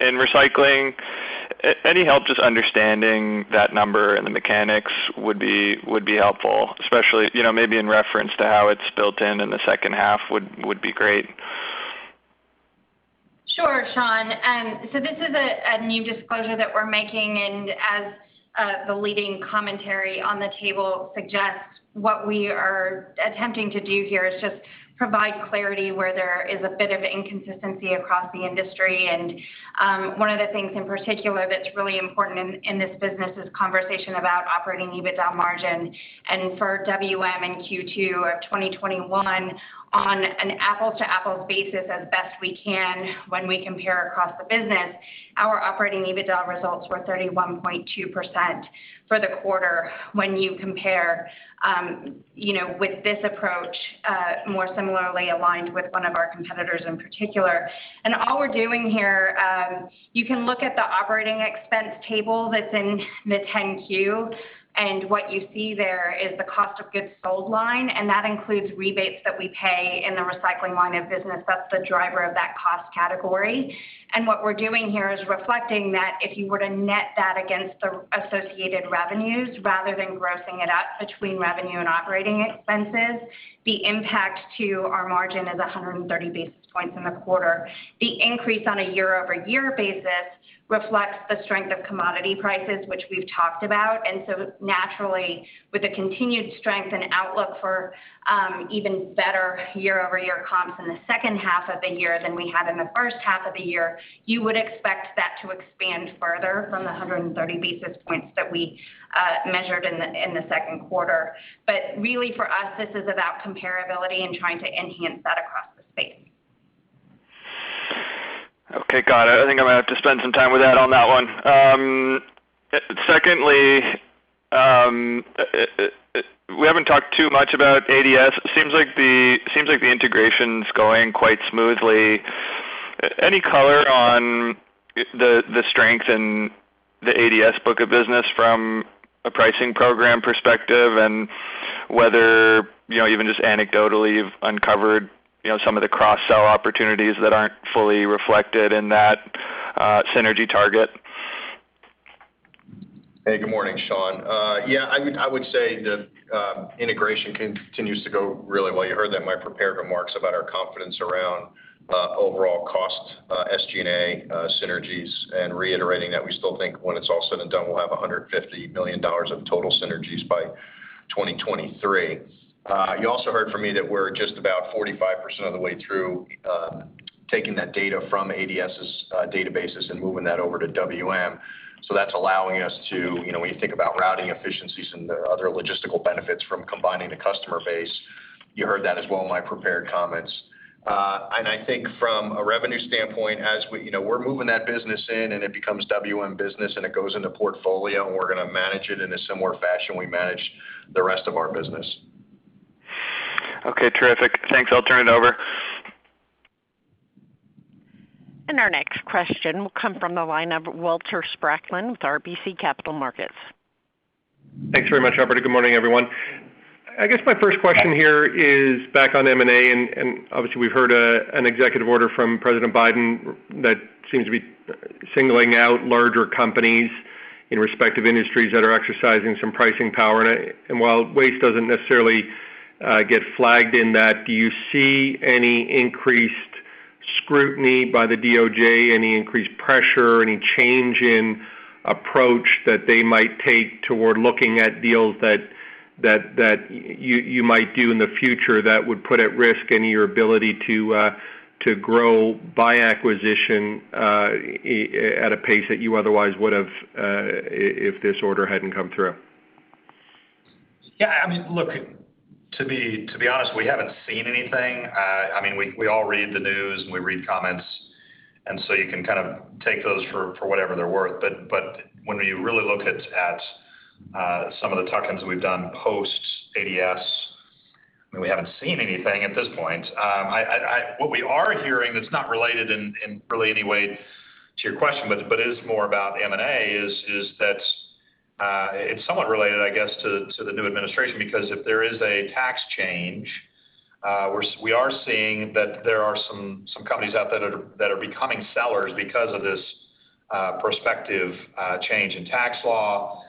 in recycling. Any help just understanding that number and the mechanics would be helpful, especially maybe in reference to how it's built in in the second half would be great. Sure, Sean. This is a new disclosure that we're making, and as the leading commentary on the table suggests, what we are attempting to do here is just provide clarity where there is a bit of inconsistency across the industry. One of the things in particular that's really important in this business is conversation about operating EBITDA margin. For WM in Q2 2021 on an apple-to-apples basis as best we can when we compare across the business, our operating EBITDA results were 31.2% for the quarter when you compare with this approach, more similarly aligned with one of our competitors in particular. All we're doing here, you can look at the operating expense table that's in the 10-Q, and what you see there is the cost of goods sold line, and that includes rebates that we pay in the recycling line of business. That's the driver of that cost category. What we're doing here is reflecting that if you were to net that against the associated revenues, rather than grossing it up between revenue and operating expenses, the impact to our margin is 130 basis points in the quarter. The increase on a year-over-year basis reflects the strength of commodity prices, which we've talked about. Naturally, with the continued strength and outlook for even better year-over-year comps in the second half of the year than we had in the first half of the year, you would expect that to expand further from the 130 basis points that we measured in the second quarter. Really, for us, this is about comparability and trying to enhance that across the space. Okay, got it. I think I'm going to have to spend some time with that on that one. We haven't talked too much about ADS. Seems like the integration's going quite smoothly. Any color on the strength in the ADS book of business from a pricing program perspective and whether, even just anecdotally, you've uncovered some of the cross-sell opportunities that aren't fully reflected in that synergy target? Hey, good morning, Sean. Yeah, I would say the integration continues to go really well. You heard that in my prepared remarks about our confidence around overall cost, SG&A synergies, and reiterating that we still think when it's all said and done, we'll have $150 million of total synergies by 2023. You also heard from me that we're just about 45% of the way through taking that data from ADS's databases and moving that over to WM. That's allowing us to, when you think about routing efficiencies and other logistical benefits from combining the customer base, you heard that as well in my prepared comments. I think from a revenue standpoint, as we're moving that business in and it becomes WM business and it goes into portfolio and we're going to manage it in a similar fashion we manage the rest of our business. Okay, terrific. Thanks. I'll turn it over. Our next question will come from the line of Walter Spracklin with RBC Capital Markets. Thanks very much, Roberta. Good morning, everyone. I guess my first question here is back on M&A. Obviously we've heard an executive order from President Biden that seems to be singling out larger companies in respective industries that are exercising some pricing power. While Waste doesn't necessarily get flagged in that, do you see any increased scrutiny by the DOJ, any increased pressure, any change in approach that they might take toward looking at deals that you might do in the future that would put at risk any of your ability to grow by acquisition at a pace that you otherwise would have, if this order hadn't come through? Yeah, look, to be honest, we haven't seen anything. We all read the news, and we read comments, you can kind of take those for whatever they're worth. When we really look at some of the tuck-ins we've done post-ADS, we haven't seen anything at this point. What we are hearing, that's not related in really any way to your question, but is more about M&A, is that it's somewhat related, I guess, to the new administration, because if there is a tax change, we are seeing that there are some companies out there that are becoming sellers because of this prospective change in tax law.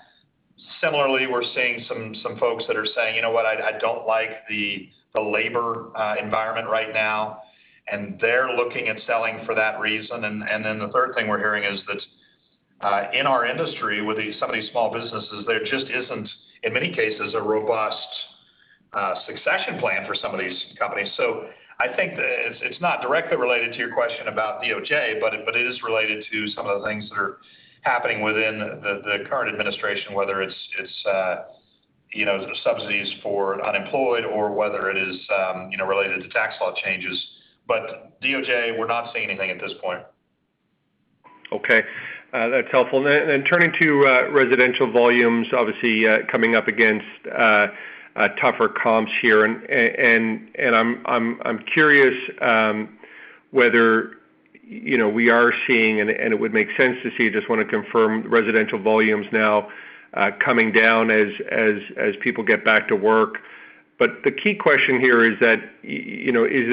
Similarly, we're seeing some folks that are saying, "You know what? I don't like the labor environment right now," and they're looking at selling for that reason. Then the third thing we're hearing is that in our industry, with some of these small businesses, there just isn't, in many cases, a robust succession plan for some of these companies. I think it's not directly related to your question about DOJ, but it is related to some of the things that are happening within the current administration, whether it's the subsidies for unemployed or whether it is related to tax law changes. DOJ, we're not seeing anything at this point. Okay. That's helpful. Turning to residential volumes, obviously, coming up against tougher comps here. I'm curious whether we are seeing, and it would make sense to see, just want to confirm residential volumes now coming down as people get back to work. The key question here is that, is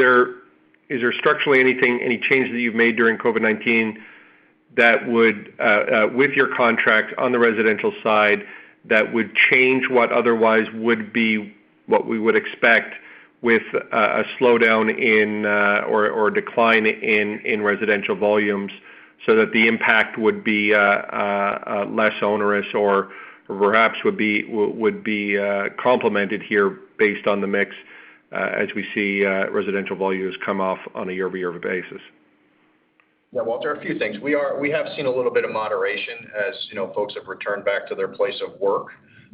there structurally anything, any changes that you've made during COVID-19 that would, with your contract on the residential side, that would change what otherwise would be what we would expect with a slowdown in or a decline in residential volumes so that the impact would be less onerous or perhaps would be complemented here based on the mix as we see residential volumes come off on a year-over-year basis? Yeah, Walter, a few things. We have seen a little bit of moderation as folks have returned back to their place of work.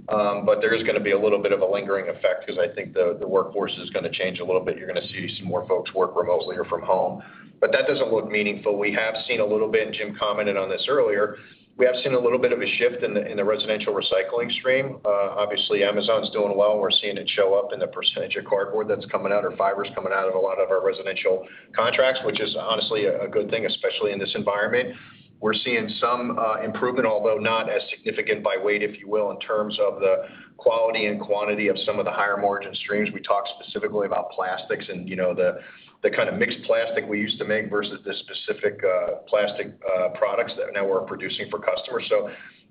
There is going to be a little bit of a lingering effect because I think the workforce is going to change a little bit. You're going to see some more folks work remotely or from home. That doesn't look meaningful. We have seen a little bit, Jim commented on this earlier, we have seen a little bit of a shift in the residential recycling stream. Obviously, Amazon's doing well, we're seeing it show up in the percentage of cardboard that's coming out, or fibers coming out of a lot of our residential contracts, which is honestly a good thing, especially in this environment. We're seeing some improvement, although not as significant by weight, if you will, in terms of the quality and quantity of some of the higher-margin streams. We talked specifically about plastics and the kind of mixed plastic we used to make versus the specific plastic products that now we're producing for customers.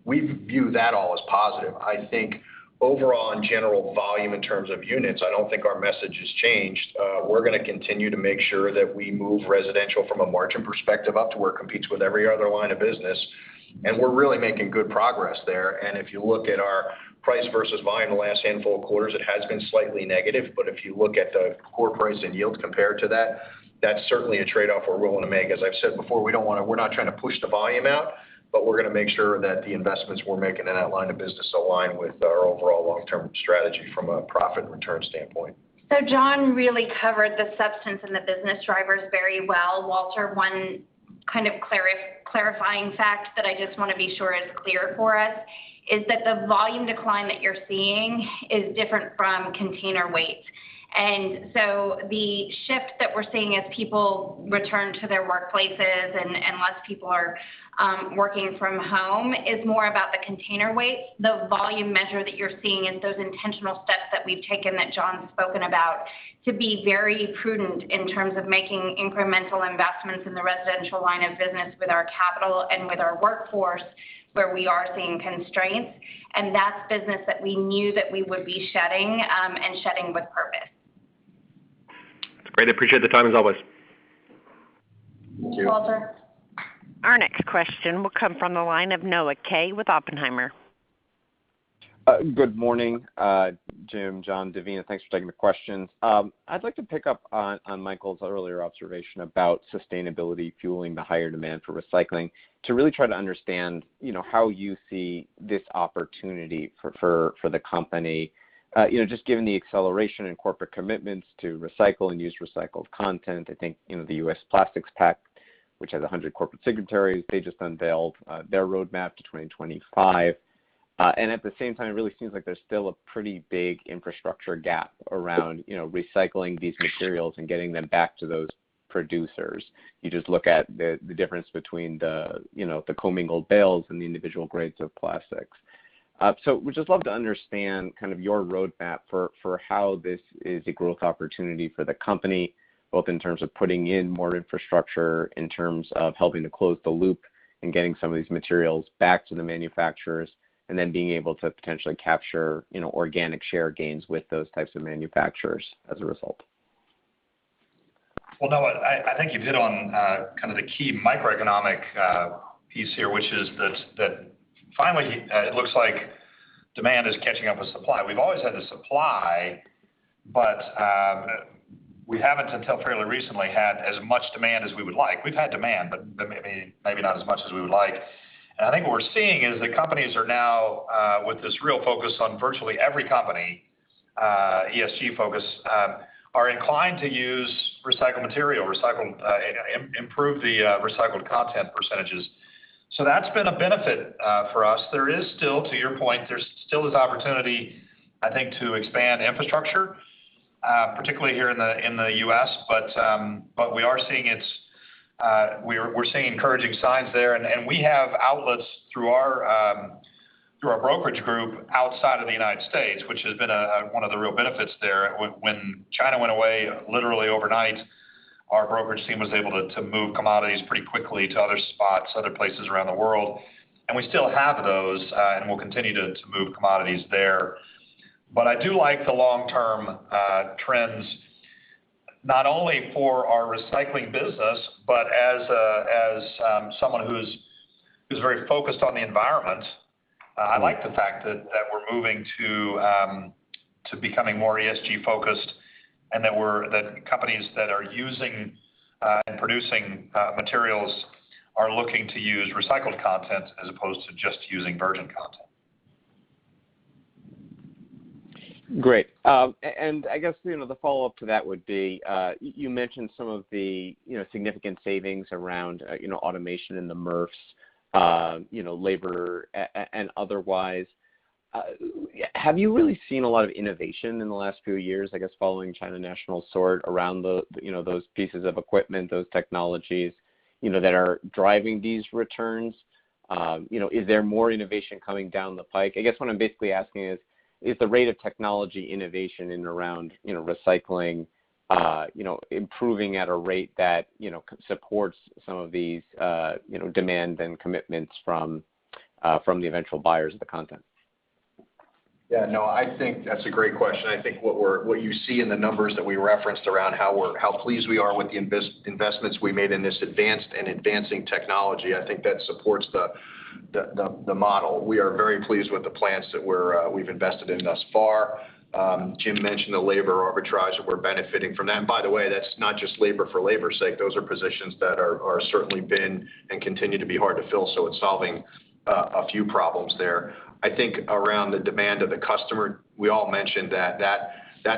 We view that all as positive. I think overall, in general volume in terms of units, I don't think our message has changed. We're going to continue to make sure that we move residential from a margin perspective up to where it competes with every other line of business, and we're really making good progress there. If you look at our price versus volume the last handful of quarters, it has been slightly negative. If you look at the core price and yield compared to that's certainly a trade-off we're willing to make. As I've said before, we're not trying to push the volume out, but we're going to make sure that the investments we're making in that line of business align with our overall long-term strategy from a profit and return standpoint. John really covered the substance and the business drivers very well. Walter, one kind of clarifying fact that I just want to be sure is clear for us is that the volume decline that you're seeing is different from container weight. The shift that we're seeing as people return to their workplaces and less people are working from home is more about the container weight. The volume measure that you're seeing is those intentional steps that we've taken, that John spoken about, to be very prudent in terms of making incremental investments in the residential line of business with our capital and with our workforce, where we are seeing constraints, and that's business that we knew that we would be shedding, and shedding with purpose. Great. I appreciate the time, as always. Thank you, Walter. Our next question will come from the line of Noah Kaye with Oppenheimer. Good morning, Jim, John, Devina. Thanks for taking the questions. I'd like to pick up on Michael's earlier observation about sustainability fueling the higher demand for recycling to really try to understand how you see this opportunity for the company. Just given the acceleration in corporate commitments to recycle and use recycled content. I think the U.S. Plastics Pact, which has 100 corporate secretaries, they just unveiled their roadmap to 2025. At the same time, it really seems like there's still a pretty big infrastructure gap around recycling these materials and getting them back to those producers. You just look at the difference between the commingled bales and the individual grades of plastics. Would just love to understand your roadmap for how this is a growth opportunity for the company, both in terms of putting in more infrastructure, in terms of helping to close the loop and getting some of these materials back to the manufacturers, and then being able to potentially capture organic share gains with those types of manufacturers as a result. Well, Noah, I think you've hit on kind of the key microeconomic piece here, which is that finally, it looks like demand is catching up with supply. We've always had the supply, but we haven't until fairly recently had as much demand as we would like. We've had demand, but maybe not as much as we would like. I think what we're seeing is that companies are now, with this real focus on virtually every company, ESG focus, are inclined to use recycled material, improve the recycled content percentages. That's been a benefit for us. There is still, to your point, there still is opportunity, I think, to expand infrastructure, particularly here in the U.S. We're seeing encouraging signs there, and we have outlets through our brokerage group outside of the United States, which has been one of the real benefits there. When China went away, literally overnight, our brokerage team was able to move commodities pretty quickly to other spots, other places around the world. We still have those, and we'll continue to move commodities there. I do like the long-term trends, not only for our recycling business, but as someone who's very focused on the environment, I like the fact that we're moving to becoming more ESG-focused and that companies that are using and producing materials are looking to use recycled content as opposed to just using virgin content. Great. I guess the follow-up to that would be, you mentioned some of the significant savings around automation in the MRFs, labor and otherwise. Have you really seen a lot of innovation in the last few years, I guess following China National Sword around those pieces of equipment, those technologies that are driving these returns? Is there more innovation coming down the pike? I guess what I'm basically asking is the rate of technology innovation in and around recycling improving at a rate that supports some of these demand and commitments from the eventual buyers of the content? Yeah, Noah, I think that's a great question. I think what you see in the numbers that we referenced around how pleased we are with the investments we made in this advanced and advancing technology, I think that supports the. The model. We are very pleased with the plants that we've invested in thus far. Jim mentioned the labor arbitrage, and we're benefiting from that. By the way, that's not just labor for labor's sake. Those are positions that have certainly been, and continue to be, hard to fill, so it's solving a few problems there. I think around the demand of the customer, we all mentioned that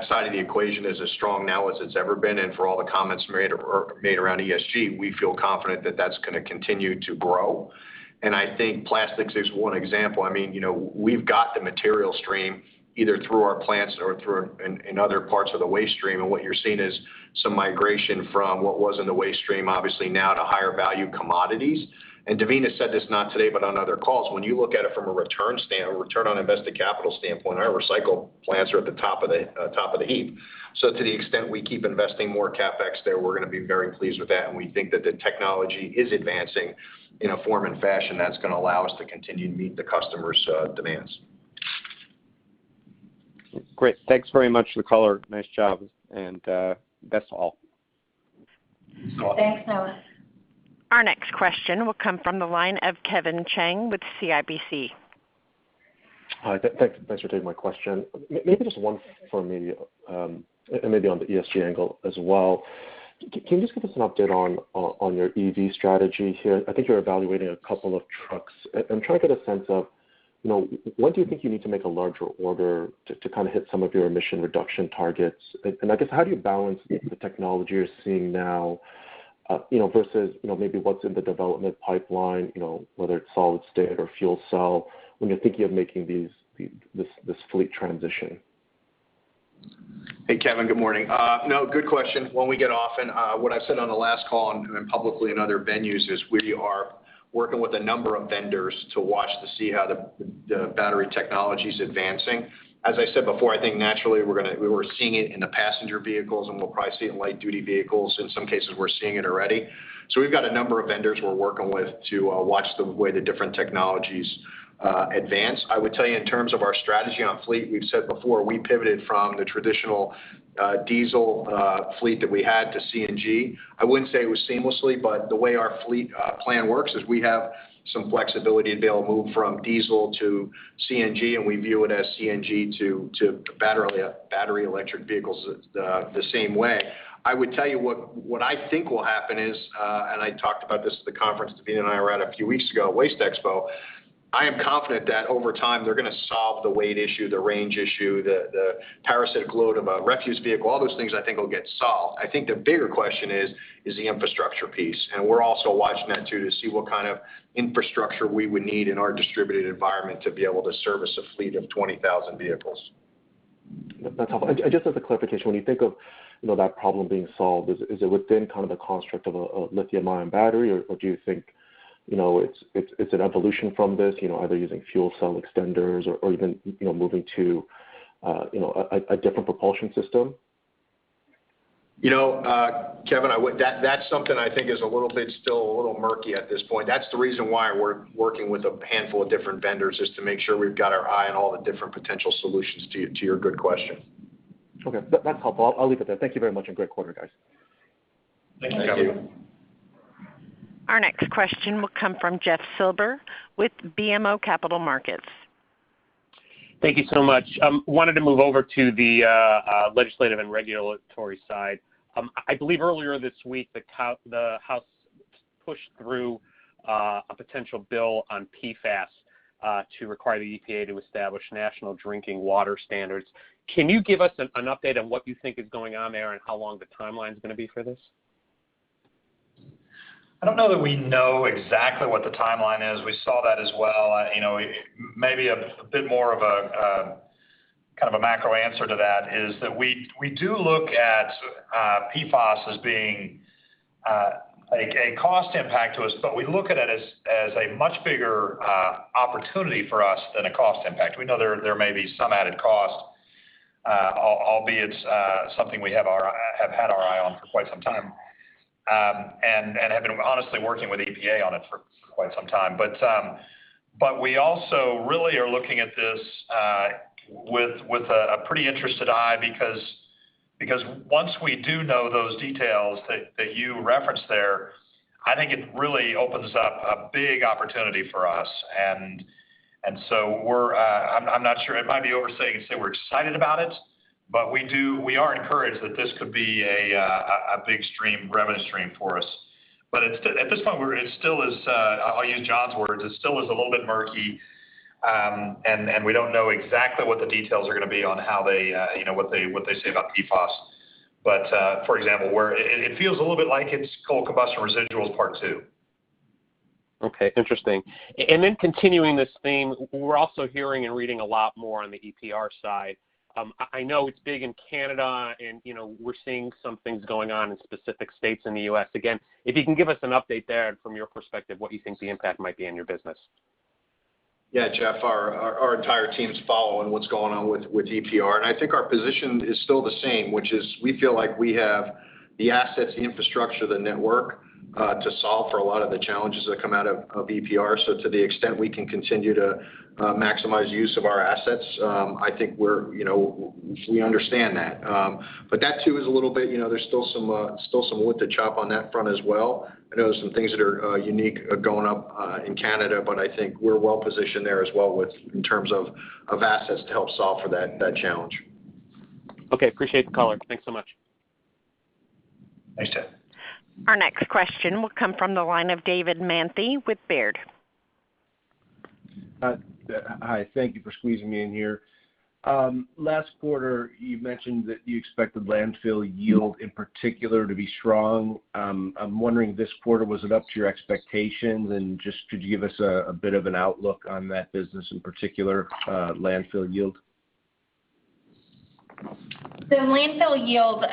side of the equation is as strong now as it's ever been, and for all the comments made around ESG, we feel confident that's going to continue to grow. I think plastics is one example. We've got the material stream either through our plants or in other parts of the waste stream, and what you're seeing is some migration from what was in the waste stream, obviously now to higher value commodities. Devina said this, not today, but on other calls, when you look at it from a return on invested capital standpoint, our recycle plants are at the top of the heap. To the extent we keep investing more CapEx there, we're going to be very pleased with that, and we think that the technology is advancing in a form and fashion that's going to allow us to continue to meet the customers' demands. Great. Thanks very much for the color. Nice job. That's all. Thanks, Noah. Our next question will come from the line of Kevin Chiang with CIBC. Hi. Thanks for taking my question. Maybe just one for me, maybe on the ESG angle as well. Can you just give us an update on your EV strategy here? I think you're evaluating a couple of trucks. I'm trying to get a sense of when do you think you need to make a larger order to hit some of your emission reduction targets? I guess, how do you balance the technology you're seeing now versus maybe what's in the development pipeline, whether it's solid state or fuel cell, when you're thinking of making this fleet transition? Hey, Kevin. Good morning. Good question. When we get often, what I said on the last call and publicly in other venues is we are working with a number of vendors to watch to see how the battery technology's advancing. As I said before, I think naturally, we were seeing it in the passenger vehicles, and we'll probably see it in light-duty vehicles. In some cases, we're seeing it already. We've got a number of vendors we're working with to watch the way the different technologies advance. I would tell you in terms of our strategy on fleet, we've said before, we pivoted from the traditional diesel fleet that we had to CNG. I wouldn't say it was seamlessly, but the way our fleet plan works is we have some flexibility to be able to move from diesel to CNG, and we view it as CNG to battery electric vehicles the same way. I would tell you what I think will happen is, and I talked about this at the conference Devina and I were at a few weeks ago, WasteExpo, I am confident that over time they're going to solve the weight issue, the range issue, the parasitic load of a refuse vehicle. All those things, I think, will get solved. I think the bigger question is the infrastructure piece. We're also watching that too to see what kind of infrastructure we would need in our distributed environment to be able to service a fleet of 20,000 vehicles. That's helpful. Just as a clarification, when you think of that problem being solved, is it within the construct of a lithium-ion battery, or do you think it's an evolution from this, either using fuel cell extenders or even moving to a different propulsion system? Kevin, that's something I think is still a little murky at this point. That's the reason why we're working with a handful of different vendors, is to make sure we've got our eye on all the different potential solutions to your good question. Okay. That's helpful. I'll leave it there. Thank you very much, and great quarter, guys. Thank you. Thank you. Our next question will come from Jeffrey Silber with BMO Capital Markets. Thank you so much. I wanted to move over to the legislative and regulatory side. I believe earlier this week, the House pushed through a potential bill on PFAS to require the EPA to establish national drinking water standards. Can you give us an update on what you think is going on there and how long the timeline's going to be for this? I don't know that we know exactly what the timeline is. We saw that as well. Maybe a bit more of a macro answer to that is that we do look at PFAS as being a cost impact to us, but we look at it as a much bigger opportunity for us than a cost impact. We know there may be some added cost, albeit something we have had our eye on for quite some time. Have been honestly working with EPA on it for quite some time. We also really are looking at this with a pretty interested eye because once we do know those details that you referenced there, I think it really opens up a big opportunity for us. I'm not sure, it might be overstating to say we're excited about it, but we are encouraged that this could be a big revenue stream for us. At this point, I'll use John's words, it still is a little bit murky, and we don't know exactly what the details are going to be on what they say about PFAS. For example, it feels a little bit like it's coal combustion residuals part two. Okay. Interesting. Continuing this theme, we're also hearing and reading a lot more on the EPR side. I know it's big in Canada and we're seeing some things going on in specific states in the U.S. Again, if you can give us an update there from your perspective, what you think the impact might be on your business. Yeah, Jeff, our entire team's following what's going on with EPR, and I think our position is still the same, which is we feel like we have the assets, the infrastructure, the network to solve for a lot of the challenges that come out of EPR. To the extent we can continue to maximize use of our assets, I think we understand that. That too is a little bit, there's still some wood to chop on that front as well. I know there's some things that are unique going up in Canada, but I think we're well-positioned there as well in terms of assets to help solve for that challenge. Okay. Appreciate the caller. Thanks so much. Thanks, Ed. Our next question will come from the line of David Manthey with Baird. Hi. Thank you for squeezing me in here. Last quarter, you mentioned that you expected landfill yield in particular to be strong. I'm wondering, this quarter, was it up to your expectations? Could you give us a bit of an outlook on that business, in particular, landfill yield? The landfill yield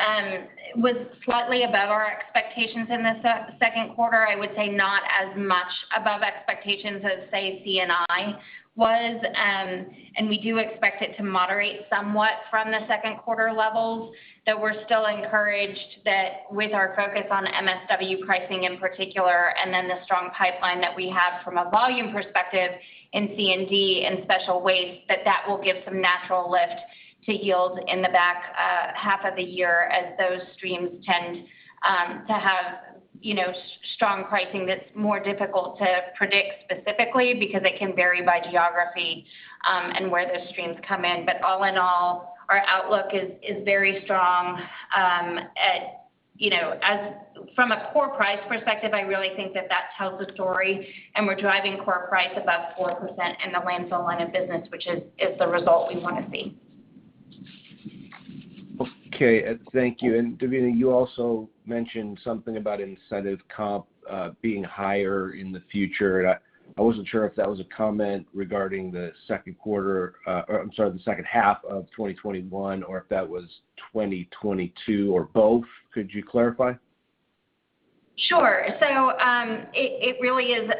was slightly above our expectations in the second quarter. I would say not as much above expectations as, say, C&I was. We do expect it to moderate somewhat from the second quarter levels, that we're still encouraged that with our focus on MSW pricing in particular and then the strong pipeline that we have from a volume perspective in C&D and special waste, that that will give some natural lift to yield in the back half of the year, as those streams tend to have strong pricing that's more difficult to predict specifically because it can vary by geography, and where those streams come in. All in all, our outlook is very strong. From a core price perspective, I really think that that tells a story. We're driving core price above 4% in the landfill line of business, which is the result we want to see. Okay. Thank you. Devina, you also mentioned something about incentive comp being higher in the future. I wasn't sure if that was a comment regarding the second quarter, or, I'm sorry, the second half of 2021, or if that was 2022 or both. Could you clarify? Sure. It really is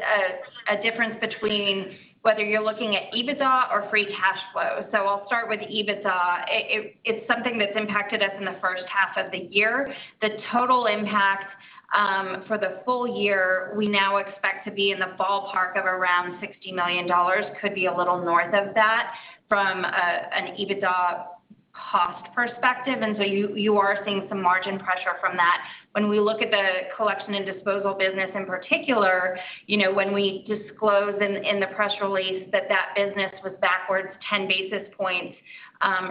a difference between whether you're looking at EBITDA or free cash flow. I'll start with EBITDA. It's something that's impacted us in the first half of the year. The total impact, for the full year, we now expect to be in the ballpark of around $60 million, could be a little north of that from an EBITDA cost perspective. You are seeing some margin pressure from that. When we look at the collection and disposal business in particular, when we disclose in the press release that that business was backwards 10 basis points,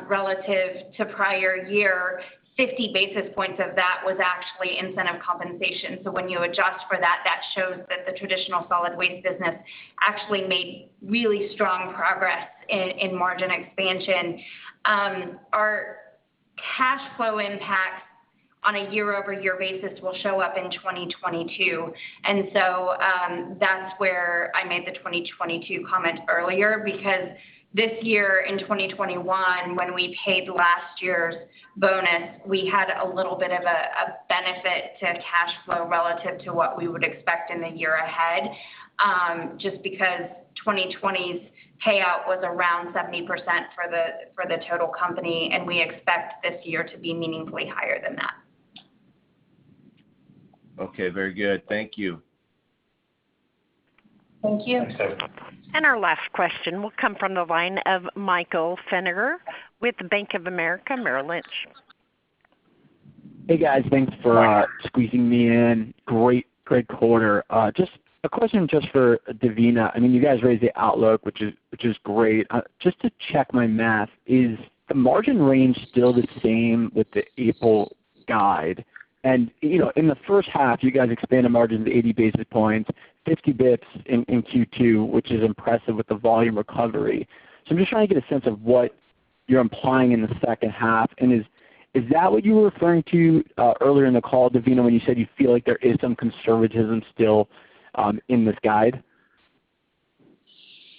relative to prior year, 50 basis points of that was actually incentive compensation. When you adjust for that shows that the traditional solid waste business actually made really strong progress in margin expansion. Our cash flow impact on a year-over-year basis will show up in 2022. That's where I made the 2022 comment earlier because this year in 2021, when we paid last year's bonus, we had a little bit of a benefit to cash flow relative to what we would expect in the year ahead, just because 2020's payout was around 70% for the total company, and we expect this year to be meaningfully higher than that. Okay. Very good. Thank you. Thank you. Thanks, David. Our last question will come from the line of Michael Feniger with Bank of America Merrill Lynch. Hey, guys. Thanks for squeezing me in. Great quarter. A question just for Devina. You guys raised the outlook, which is great. Just to check my math, is the margin range still the same with the April guide? In the first half, you guys expanded margins 80 basis points, 50 basis points in Q2, which is impressive with the volume recovery. I'm just trying to get a sense of what you're implying in the second half, and is that what you were referring to earlier in the call, Devina, when you said you feel like there is some conservatism still in this guide?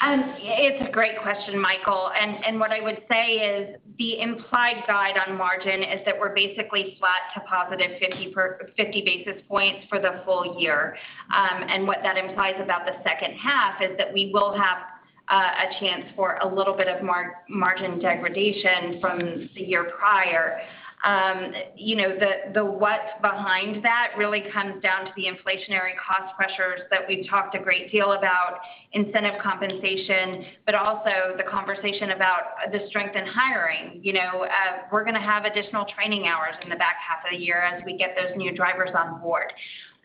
It's a great question, Michael, and what I would say is the implied guide on margin is that we're basically flat to positive 50 basis points for the full year. What that implies about the second half is that we will have a chance for a little bit of margin degradation from the year prior. The what behind that really comes down to the inflationary cost pressures that we've talked a great deal about, incentive compensation, but also the conversation about the strength in hiring. We're going to have additional training hours in the back half of the year as we get those new drivers on board.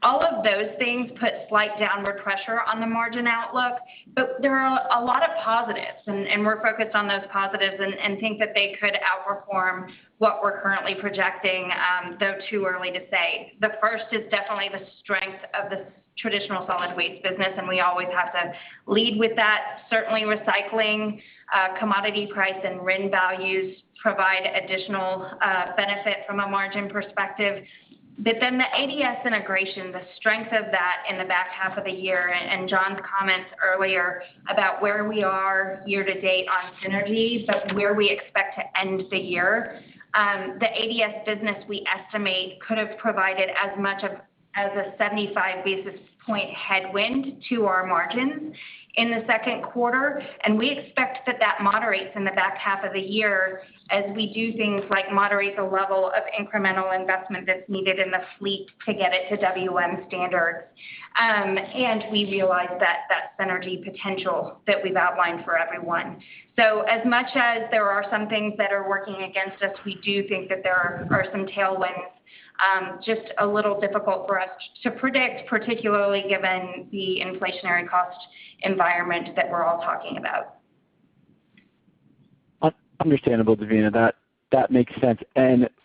All of those things put slight downward pressure on the margin outlook, but there are a lot of positives, and we're focused on those positives and think that they could outperform what we're currently projecting, though too early to say. The first is definitely the strength of the traditional solid waste business, and we always have to lead with that. Certainly, recycling, commodity price, and RIN values provide additional benefit from a margin perspective. The ADS integration, the strength of that in the back half of the year, and John's comments earlier about where we are year to date on synergy, but where we expect to end the year. The ADS business we estimate could have provided as much of as a 75 basis point headwind to our margins in the second quarter, and we expect that that moderates in the back half of the year as we do things like moderate the level of incremental investment that's needed in the fleet to get it to WM standards. We realize that synergy potential that we've outlined for everyone. As much as there are some things that are working against us, we do think that there are some tailwinds, just a little difficult for us to predict, particularly given the inflationary cost environment that we're all talking about. Understandable, Devina. That makes sense.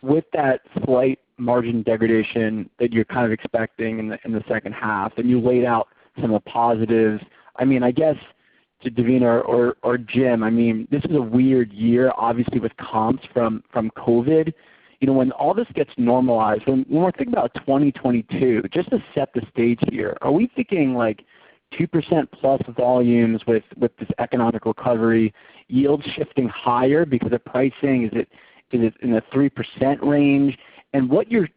With that slight margin degradation that you're expecting in the second half, and you laid out some of the positives. I guess to Devina or Jim, this is a weird year, obviously, with comps from COVID. When all this gets normalized, when we're thinking about 2022, just to set the stage here, are we thinking 2%+ volumes with this economic recovery, yields shifting higher because the pricing is in the 3% range? What you're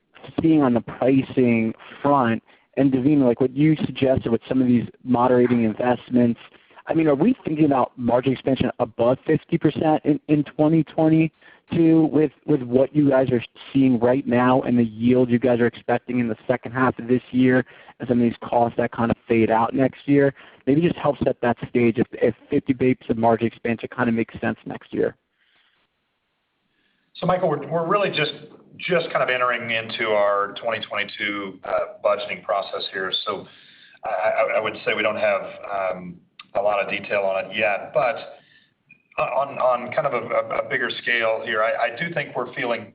seeing on the pricing front, and Devina, like what you suggested with some of these moderating investments, are we thinking about margin expansion above 50% in 2022 with what you guys are seeing right now and the yield you guys are expecting in the second half of this year as some of these costs that fade out next year? Maybe just help set that stage if 50 basis margin expansion makes sense next year. Michael, we're really just entering into our 2022 budgeting process here. I would say we don't have a lot of detail on it yet. On a bigger scale here, I do think we're feeling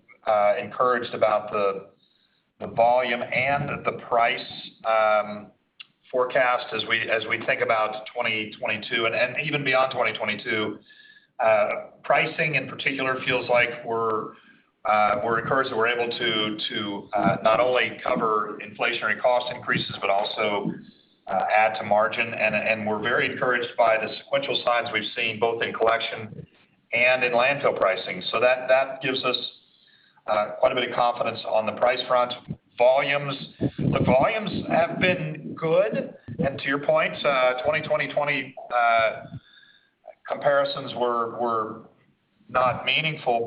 encouraged about the volume and the price forecast as we think about 2022 and even beyond 2022. Pricing, in particular, feels like we're encouraged that we're able to not only cover inflationary cost increases but also add to margin. We're very encouraged by the sequential signs we've seen both in collection and in landfill pricing. That gives us quite a bit of confidence on the price front. Volumes. The volumes have been good, and to your point, 2020 comparisons were not meaningful.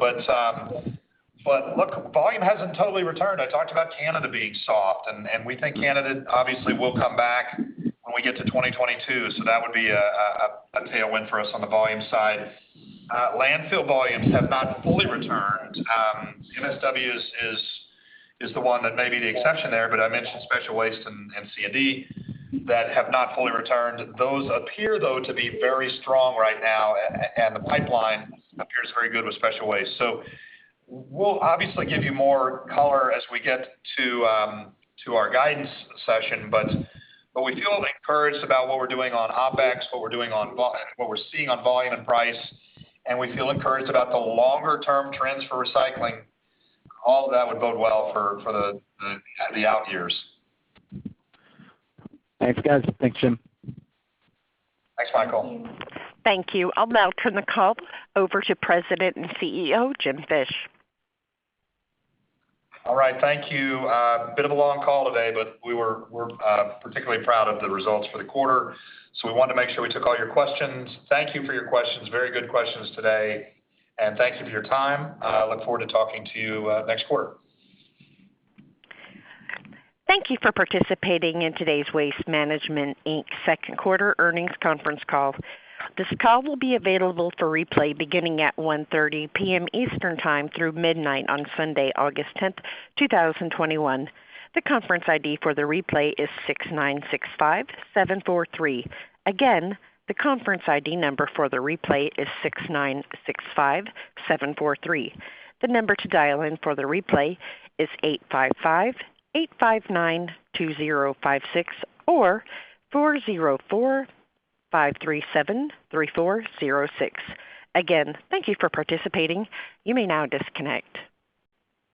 Look, volume hasn't totally returned. I talked about Canada being soft, and we think Canada obviously will come back when we get to 2022. That would be a tailwind for us on the volume side. Landfill volumes have not fully returned. MSW is the one that may be the exception there, but I mentioned special waste and C&D that have not fully returned. Those appear, though, to be very strong right now, and the pipeline appears very good with special waste. We'll obviously give you more color as we get to our guidance session, but we feel encouraged about what we're doing on OpEx, what we're seeing on volume and price, and we feel encouraged about the longer-term trends for recycling. All of that would bode well for the out years. Thanks, guys. Thanks, Jim. Thanks, Michael. Thank you. I'll now turn the call over to President and CEO, Jim Fish. All right. Thank you. A bit of a long call today, we're particularly proud of the results for the quarter. We wanted to make sure we took all your questions. Thank you for your questions. Very good questions today. Thank you for your time. I look forward to talking to you next quarter. Thank you for participating in today's Waste Management, Inc.'s second quarter earnings conference call. This call will be available for replay beginning at 1:30 PM Eastern Time through midnight on Sunday, August 10th, 2021. The conference ID for the replay is 6965743. Again, the conference ID number for the replay is 6965743. The number to dial in for the replay is 855-859-2056 or 404-537-3406. Again, thank you for participating. You may now disconnect.